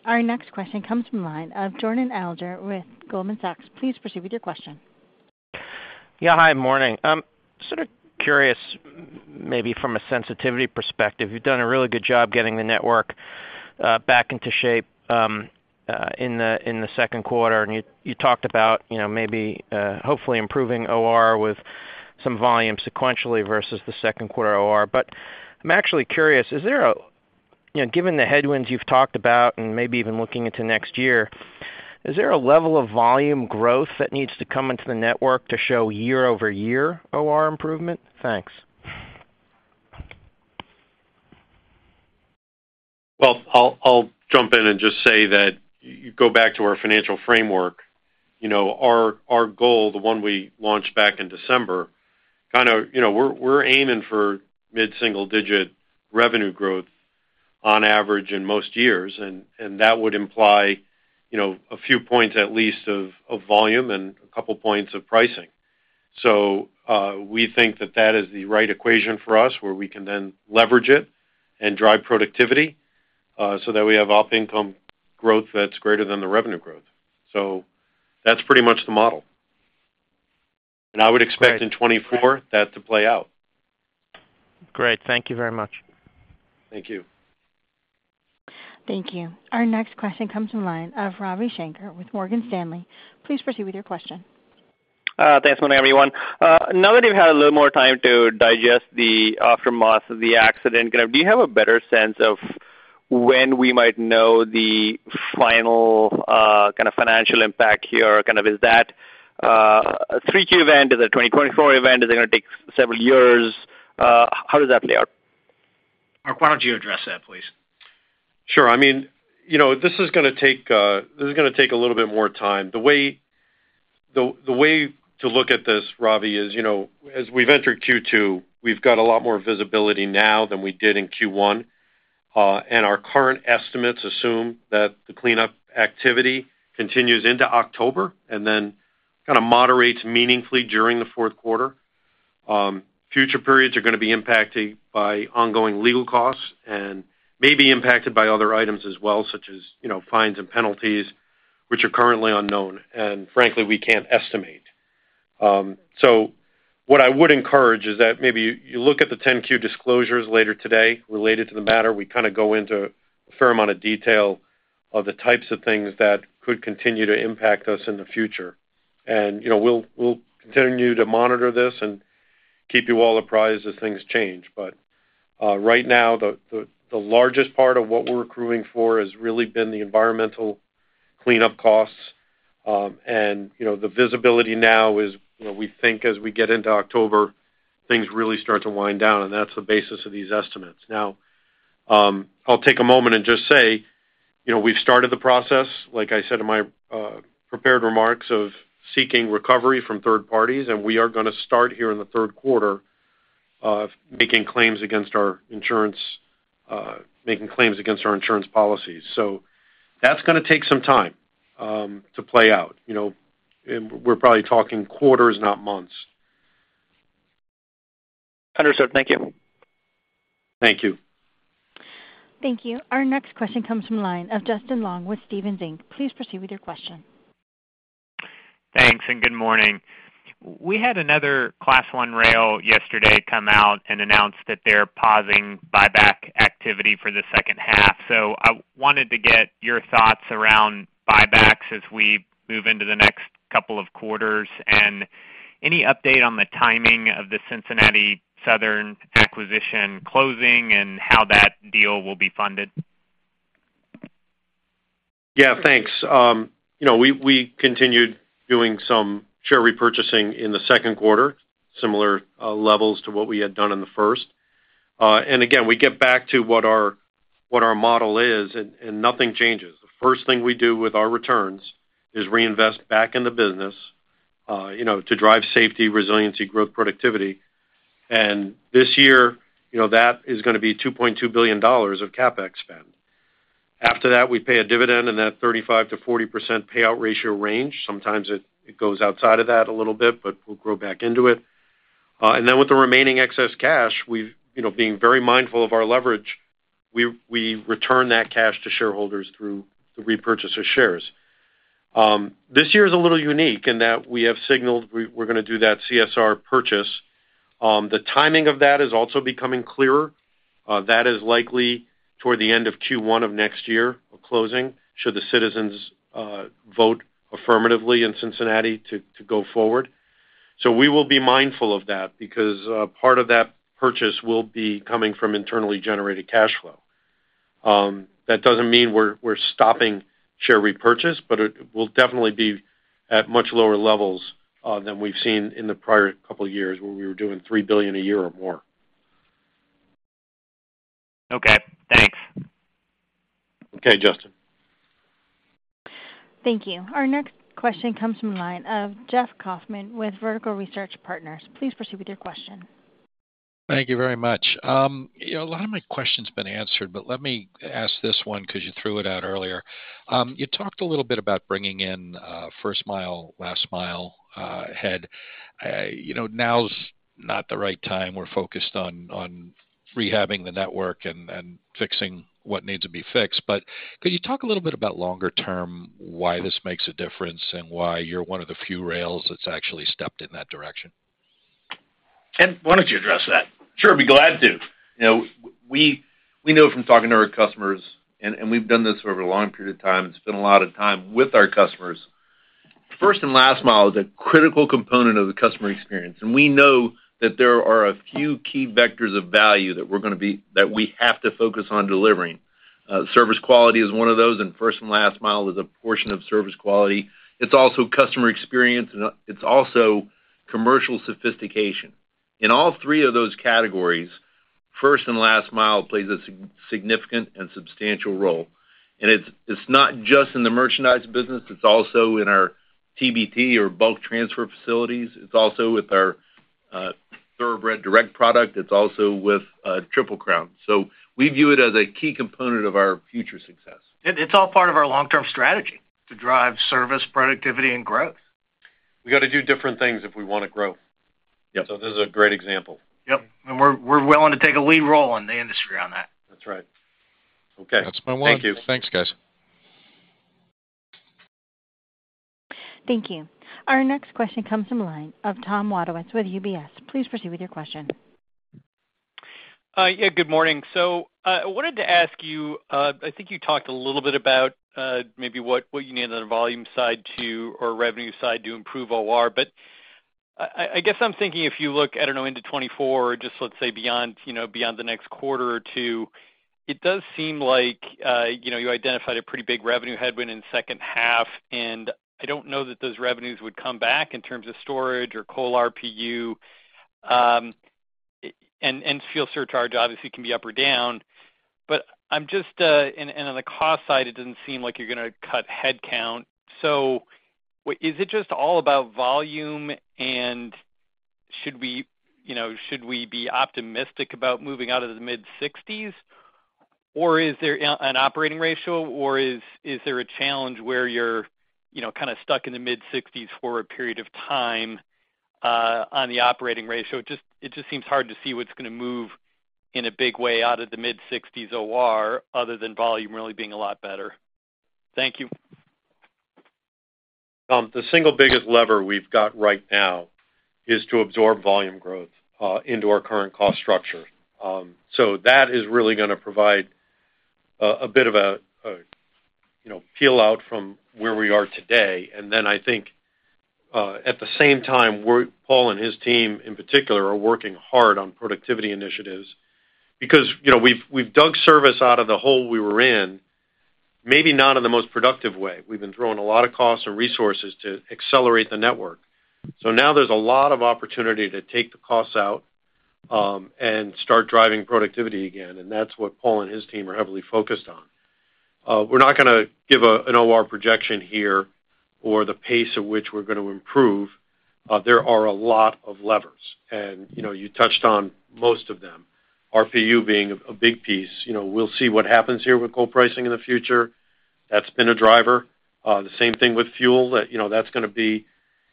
Our next question comes from line of Jordan Alliger with Goldman Sachs. Please proceed with your question. Hi, morning. Sort of curious, maybe from a sensitivity perspective, you've done a really good job getting the network back into shape in the Q2. You talked about, you know, maybe hopefully improving OR with some volume sequentially versus the Q2 OR. I'm actually curious, is there, you know, given the headwinds you've talked about and maybe even looking into next year, is there a level of volume growth that needs to come into the network to show year-over-year OR improvement? Thanks. Well, I'll jump in and just say that you go back to our financial framework. You know, our goal, the one we launched back in December, kind of, you know, we're aiming for mid-single-digit revenue growth on average in most years, and that would imply, you know, a few points at least of volume and a couple of points of pricing. We think that that is the right equation for us, where we can then leverage it and drive productivity, so that we have op income growth that's greater than the revenue growth. That's pretty much the model. Great. I would expect in 2024, that to play out. Great. Thank you very much. Thank you. Thank you. Our next question comes from line of Ravi Shanker with Morgan Stanley. Please proceed with your question. Thanks, good morning, everyone. Now that you've had a little more time to digest the aftermath of the accident, kind of, do you have a better sense of when we might know the final, kind of financial impact here? Kind of, is that a 3-Q event? Is it a 2024 event? Is it gonna take several years? How does that play out? Mark, why don't you address that, please? Sure. I mean, you know, this is gonna take, this is gonna take a little bit more time. The way to look at this, Ravi, is, you know, as we've entered Q2, we've got a lot more visibility now than we did in Q1. Our current estimates assume that the cleanup activity continues into October and then kind of moderates meaningfully during the Q4. Future periods are gonna be impacted by ongoing legal costs and may be impacted by other items as well, such as, you know, fines and penalties, which are currently unknown, and frankly, we can't estimate. What I would encourage is that maybe you look at the Form 10-Q disclosures later today related to the matter. We kind of go into a fair amount of detail of the types of things that could continue to impact us in the future. You know, we'll continue to monitor this and keep you all apprised as things change. Right now, the largest part of what we're accruing for has really been the environmental cleanup costs. You know, the visibility now is, you know, we think as we get into October, things really start to wind down, and that's the basis of these estimates. I'll take a moment and just say, you know, we've started the process, like I said, in my prepared remarks, of seeking recovery from third parties. We are gonna start here in the Q3 of making claims against our insurance policies. That's going to take some time to play out. You know, we're probably talking quarters, not months. Understood. Thank you. Thank you. Thank you. Our next question comes from the line of Justin Long with Stephens Inc. Please proceed with your question. Thanks, good morning. We had another Class I rail yesterday come out and announce that they're pausing buyback activity for the second half. I wanted to get your thoughts around buybacks as we move into the next couple of quarters. Any update on the timing of the Cincinnati Southern acquisition closing and how that deal will be funded? Yeah, thanks. You know, we continued doing some share repurchasing in the Q2, similar levels to what we had done in the first. Again, we get back to what our model is, and nothing changes. The first thing we do with our returns is reinvest back in the business, you know, to drive safety, resiliency, growth, productivity. This year, you know, that is gonna be $2.2 billion of CapEx spend. After that, we pay a dividend in that 35%-40% payout ratio range. Sometimes it goes outside of that a little bit, but we'll grow back into it. Then with the remaining excess cash, we've, you know, being very mindful of our leverage, we return that cash to shareholders through the repurchase of shares. This year is a little unique in that we have signaled we're gonna do that CSR purchase. The timing of that is also becoming clearer. That is likely toward the end of Q1 of next year, of closing, should the citizens vote affirmatively in Cincinnati to go forward. We will be mindful of that because part of that purchase will be coming from internally generated cash flow. That doesn't mean we're stopping share repurchase, but it will definitely be at much lower levels than we've seen in the prior couple of years, where we were doing $3 billion a year or more. Okay, thanks. Okay, Justin. Thank you. Our next question comes from the line of Jeffrey Kauffman with Vertical Research Partners. Please proceed with your question. Thank you very much. You know, a lot of my question's been answered, but let me ask this one because you threw it out earlier. You talked a little bit about bringing in a first mile, last mile, head. You know, now's not the right time. We're focused on, on rehabbing the network and, and fixing what needs to be fixed. Could you talk a little bit about longer term, why this makes a difference and why you're one of the few rails that's actually stepped in that direction? Ken, why don't you address that? Sure, be glad to. You know, we know from talking to our customers, and we've done this over a long period of time and spent a lot of time with our customers. First and last mile is a critical component of the customer experience, and we know that there are a few key vectors of value that we have to focus on delivering. Service quality is one of those, and first and last mile is a portion of service quality. It's also customer experience, and it's also commercial sophistication. In all three of those categories, first and last mile plays a significant and substantial role. It's, it's not just in the merchandise business, it's also in our TBT or bulk transfer facilities. It's also with our Thoroughbred Direct product. It's also with Triple Crown. We view it as a key component of our future success. It's all part of our long-term strategy to drive service, productivity, and growth. We got to do different things if we wanna grow. Yep. This is a great example. Yep, we're willing to take a lead role in the industry on that. That's right. Okay. That's my last. Thank you. Thanks, guys. Thank you. Our next question comes from line of Thomas Wadewitz with UBS. Please proceed with your question. Yeah, good morning. I wanted to ask you, I think you talked a little bit about maybe what, what you need on the volume side to, or revenue side to improve OR. I guess I'm thinking if you look, I don't know, into 2024, just let's say beyond, you know, beyond the next quarter or two, it does seem like, you know, you identified a pretty big revenue headwind in second half, and I don't know that those revenues would come back in terms of storage or coal RPU, and fuel surcharge obviously, can be up or down. On the cost side, it doesn't seem like you're gonna cut headcount. Is it just all about volume? Should we, you know, should we be optimistic about moving out of the mid-sixties, or is there an operating ratio, or is there a challenge where you're, you know, kind of stuck in the mid-sixties for a period of time on the operating ratio? It just seems hard to see what's gonna move in a big way out of the mid-sixties OR other than volume really being a lot better. Thank you. The single biggest lever we've got right now is to absorb volume growth into our current cost structure. That is really gonna provide a bit of a, you know, peel out from where we are today. I think, at the same time, Paul and his team in particular, are working hard on productivity initiatives because, you know, we've dug service out of the hole we were in, maybe not in the most productive way. We've been throwing a lot of costs and resources to accelerate the network. Now there's a lot of opportunity to take the costs out and start driving productivity again, and that's what Paul and his team are heavily focused on. We're not gonna give an OR projection here or the pace at which we're gonna improve. There are a lot of levers, and, you know, you touched on most of them, RPU being a, a big piece. You know, we'll see what happens here with coal pricing in the future. That's been a driver. The same thing with fuel.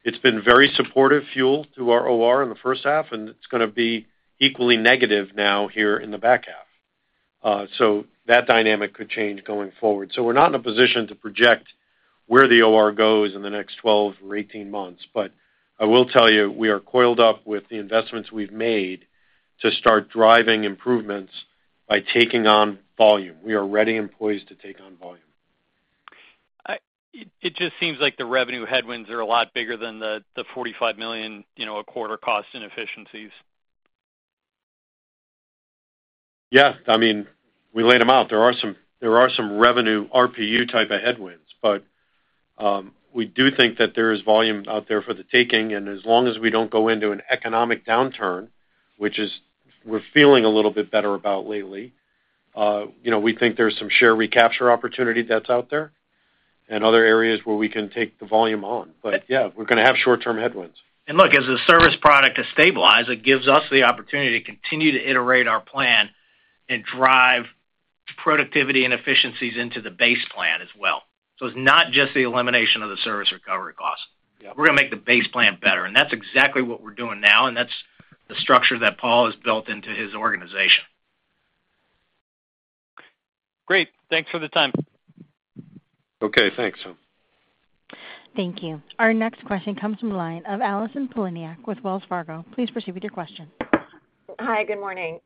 It's been very supportive fuel to our OR in the first half, and it's gonna be equally negative now here in the back half. That dynamic could change going forward. We're not in a position to project where the OR goes in the next 12 or 18 months, but I will tell you, we are coiled up with the investments we've made to start driving improvements by taking on volume. We are ready and poised to take on volume. It just seems like the revenue headwinds are a lot bigger than the, the $45 million, you know, a quarter cost inefficiencies. I mean, we laid them out. There are some revenue RPU type of headwinds. We do think that there is volume out there for the taking, as long as we don't go into an economic downturn, which is, we're feeling a little bit better about lately, you know, we think there's some share recapture opportunity that's out there and other areas where we can take the volume on. Yeah, we're gonna have short-term headwinds. Look, as the service product has stabilized, it gives us the opportunity to continue to iterate our plan and drive productivity and efficiencies into the base plan as well. It's not just the elimination of the service recovery cost. Yeah. We're gonna make the base plan better, and that's exactly what we're doing now, and that's the structure that Paul has built into his organization. Great. Thanks for the time. Okay, thanks, Tom. Thank you. Our next question comes from the line of Allison Poliniak-Cusic with Wells Fargo. Please proceed with your question. Hi, good morning.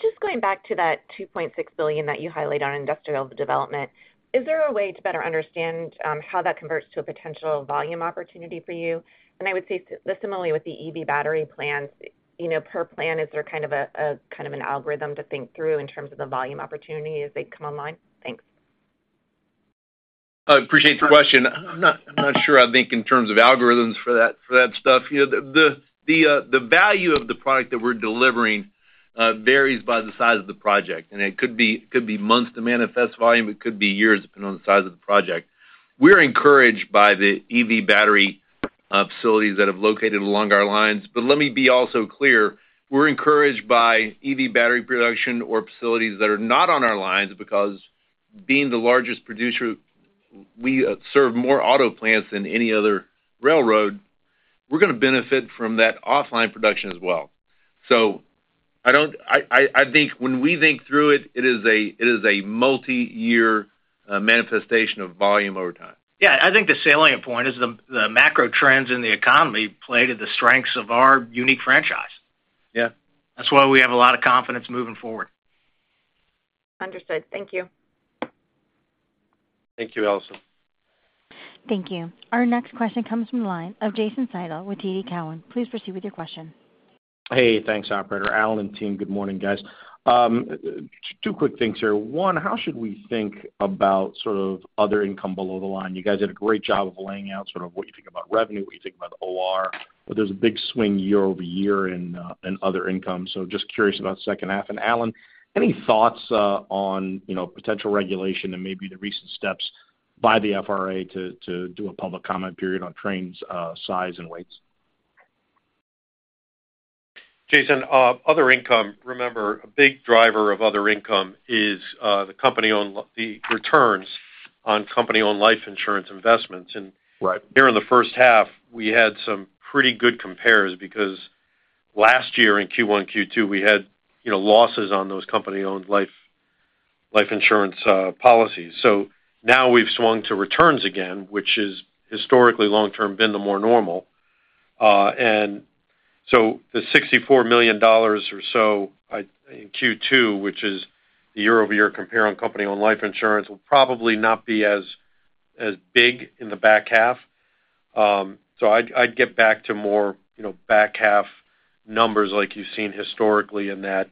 Just going back to that $2.6 billion that you highlighted on industrial development, is there a way to better understand how that converts to a potential volume opportunity for you? I would say similarly with the EV battery plans, you know, per plan, is there kind of a kind of an algorithm to think through in terms of the volume opportunity as they come online? Thanks. I appreciate the question. I'm not sure I think in terms of algorithms for that, for that stuff. You know, the, the value of the product that we're delivering varies by the size of the project, and it could be months to manifest volume, it could be years, depending on the size of the project. We're encouraged by the EV battery facilities that have located along our lines. Let me be also clear, we're encouraged by EV battery production or facilities that are not on our lines, because being the largest producer, we serve more auto plants than any other railroad. We're gonna benefit from that offline production as well. I don't. I think when we think through it, it is a multiyear manifestation of volume over time. Yeah, I think the salient point is the macro trends in the economy play to the strengths of our unique franchise. Yeah. That's why we have a lot of confidence moving forward. Understood. Thank you. Thank you, Allison. Thank you. Our next question comes from the line of Jason Seidl with TD Cowen. Please proceed with your question. Hey, thanks, operator. Alan and team, good morning, guys. two quick things here. One, how should we think about sort of other income below the line? You guys did a great job of laying out sort of what you think about revenue, what you think about OR, but there's a big swing year-over-year in other income. Just curious about the second half. Alan, any thoughts on, you know, potential regulation and maybe the recent steps by the FRA to do a public comment period on trains, size and weights? Jason, other income, remember, a big driver of other income is the returns on company-owned life insurance investments. Right. Here in the first half, we had some pretty good compares because last year in Q1, Q2, we had, you know, losses on those company-owned life insurance policy. Now we've swung to returns again, which is historically long-term, been the more normal. The $64 million or so in Q2, which is the year-over-year compare on company, on life insurance, will probably not be as big in the back half. I'd get back to more, you know, back half numbers like you've seen historically in that,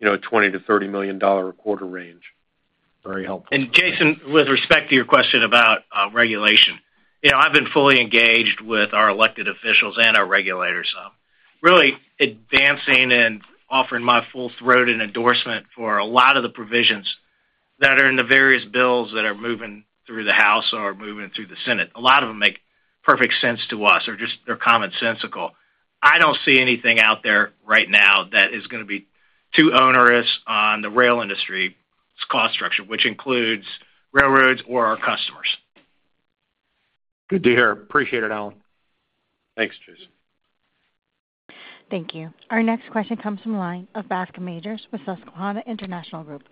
you know, $20 million-$30 million a quarter range. Very helpful. Jason, with respect to your question about regulation, you know, I've been fully engaged with our elected officials and our regulators, really advancing and offering my full-throated endorsement for a lot of the provisions that are in the various bills that are moving through the House or moving through the Senate. A lot of them make perfect sense to us, or just, they're commonsensical. I don't see anything out there right now that is gonna be too onerous on the rail industry's cost structure, which includes railroads or our customers. Good to hear. Appreciate it, Alan. Thanks, Jason. Thank you. Our next question comes from the line of Bascome Majors with Susquehanna International Group.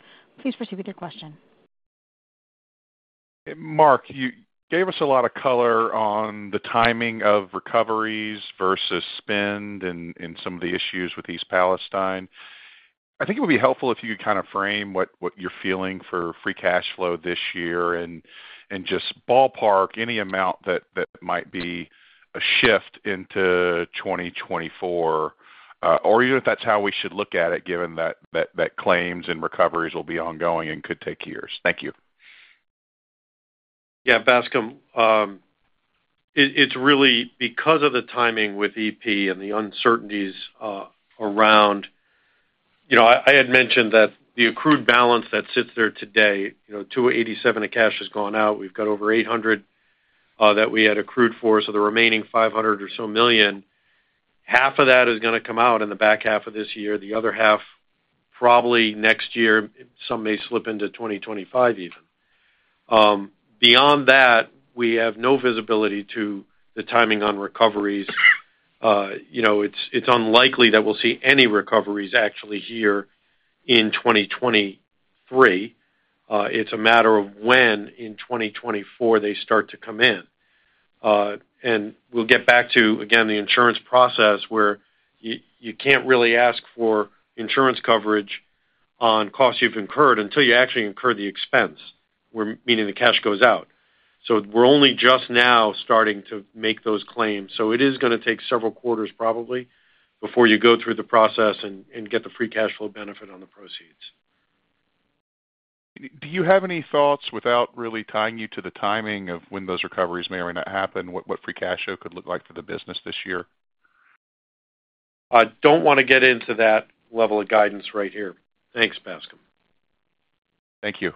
Please proceed with your question. Mark, you gave us a lot of color on the timing of recoveries versus spend and some of the issues with East Palestine. I think it would be helpful if you could kind of frame what you're feeling for free cash flow this year and just ballpark any amount that might be a shift into 2024, or even if that's how we should look at it, given that claims and recoveries will be ongoing and could take years. Thank you. Bascom, it's really because of the timing with EP and the uncertainties around. You know, I had mentioned that the accrued balance that sits there today, you know, $287 million of cash has gone out. We've got over $800 million that we had accrued for. The remaining $500 million or so, half of that is gonna come out in the back half of this year, the other half, probably next year, some may slip into 2025 even. Beyond that, we have no visibility to the timing on recoveries. You know, it's unlikely that we'll see any recoveries actually here in 2023. It's a matter of when in 2024, they start to come in. We'll get back to, again, the insurance process, where you can't really ask for insurance coverage on costs you've incurred until you actually incur the expense, meaning the cash goes out. We're only just now starting to make those claims. It is gonna take several quarters, probably, before you go through the process and get the free cash flow benefit on the proceeds. Do you have any thoughts, without really tying you to the timing of when those recoveries may or may not happen, what, what free cash flow could look like for the business this year? I don't wanna get into that level of guidance right here. Thanks, Bascom. Thank you.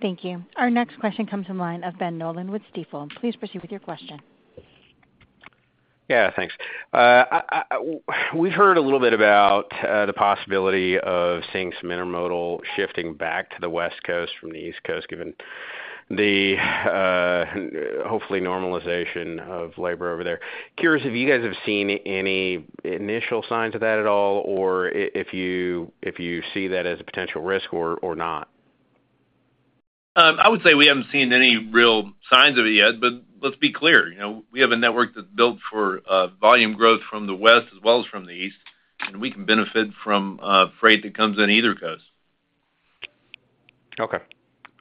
Thank you. Our next question comes from line of Benjamin Nolan with Stifel. Please proceed with your question. Yeah, thanks. We've heard a little bit about the possibility of seeing some intermodal shifting back to the West Coast from the East Coast, given the hopefully normalization of labor over there. Curious if you guys have seen any initial signs of that at all, or if you see that as a potential risk or not? I would say we haven't seen any real signs of it yet, but let's be clear, you know, we have a network that's built for volume growth from the West as well as from the East, and we can benefit from freight that comes in either coast. Okay.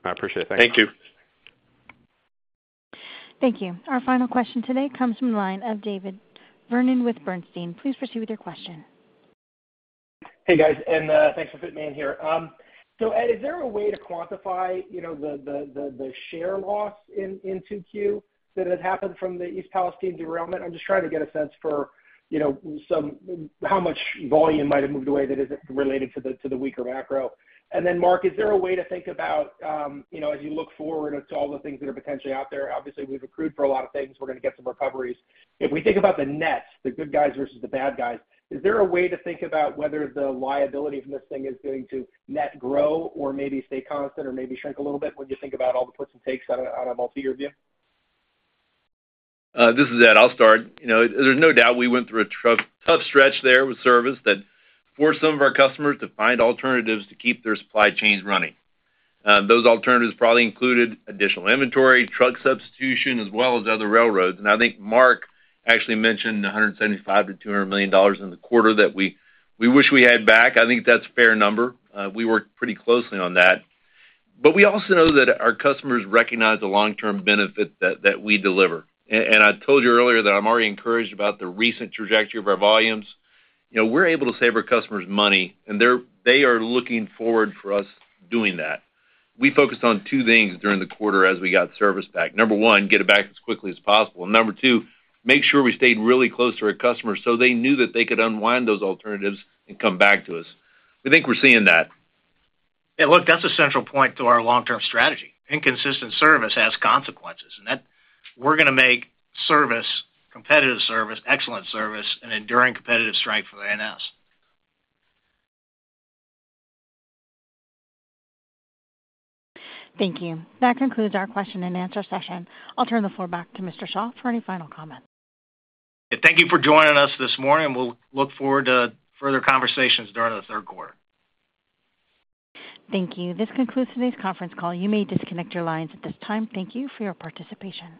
I appreciate it. Thank you. Thank you. Thank you. Our final question today comes from the line of David Vernon with Bernstein. Please proceed with your question. Hey, guys, thanks for fitting me in here. Ed, is there a way to quantify, you know, the share loss in 2Q that had happened from the East Palestine derailment? I'm just trying to get a sense for, you know, how much volume might have moved away that isn't related to the weaker macro. Then, Mark, is there a way to think about, you know, as you look forward to all the things that are potentially out there? Obviously, we've accrued for a lot of things. We're gonna get some recoveries. If we think about the net, the good guys versus the bad guys, is there a way to think about whether the liability from this thing is going to net grow or maybe stay constant or maybe shrink a little bit, when you think about all the puts and takes out of, out of all three of you? This is Ed. I'll start. You know, there's no doubt we went through a tough stretch there with service that forced some of our customers to find alternatives to keep their supply chains running. Those alternatives probably included additional inventory, truck substitution, as well as other railroads. I think Mark actually mentioned $175 million-$200 million in the quarter that we wish we had back. I think that's a fair number. We worked pretty closely on that. We also know that our customers recognize the long-term benefit that we deliver. I told you earlier that I'm already encouraged about the recent trajectory of our volumes. You know, we're able to save our customers money, and they are looking forward for us doing that. We focused on two things during the quarter as we got service back: number 1, get it back as quickly as possible, and number 2, make sure we stayed really close to our customers so they knew that they could unwind those alternatives and come back to us. I think we're seeing that. Look, that's a central point to our long-term strategy. Inconsistent service has consequences, and that we're gonna make service, competitive service, excellent service, an enduring competitive strength for NS. Thank you. That concludes our Q&A session. I'll turn the floor back to Mr. Shaw for any final comments. Thank you for joining us this morning, and we'll look forward to further conversations during the Q3. Thank you. This concludes today's conference call. You may disconnect your lines at this time. Thank you for your participation.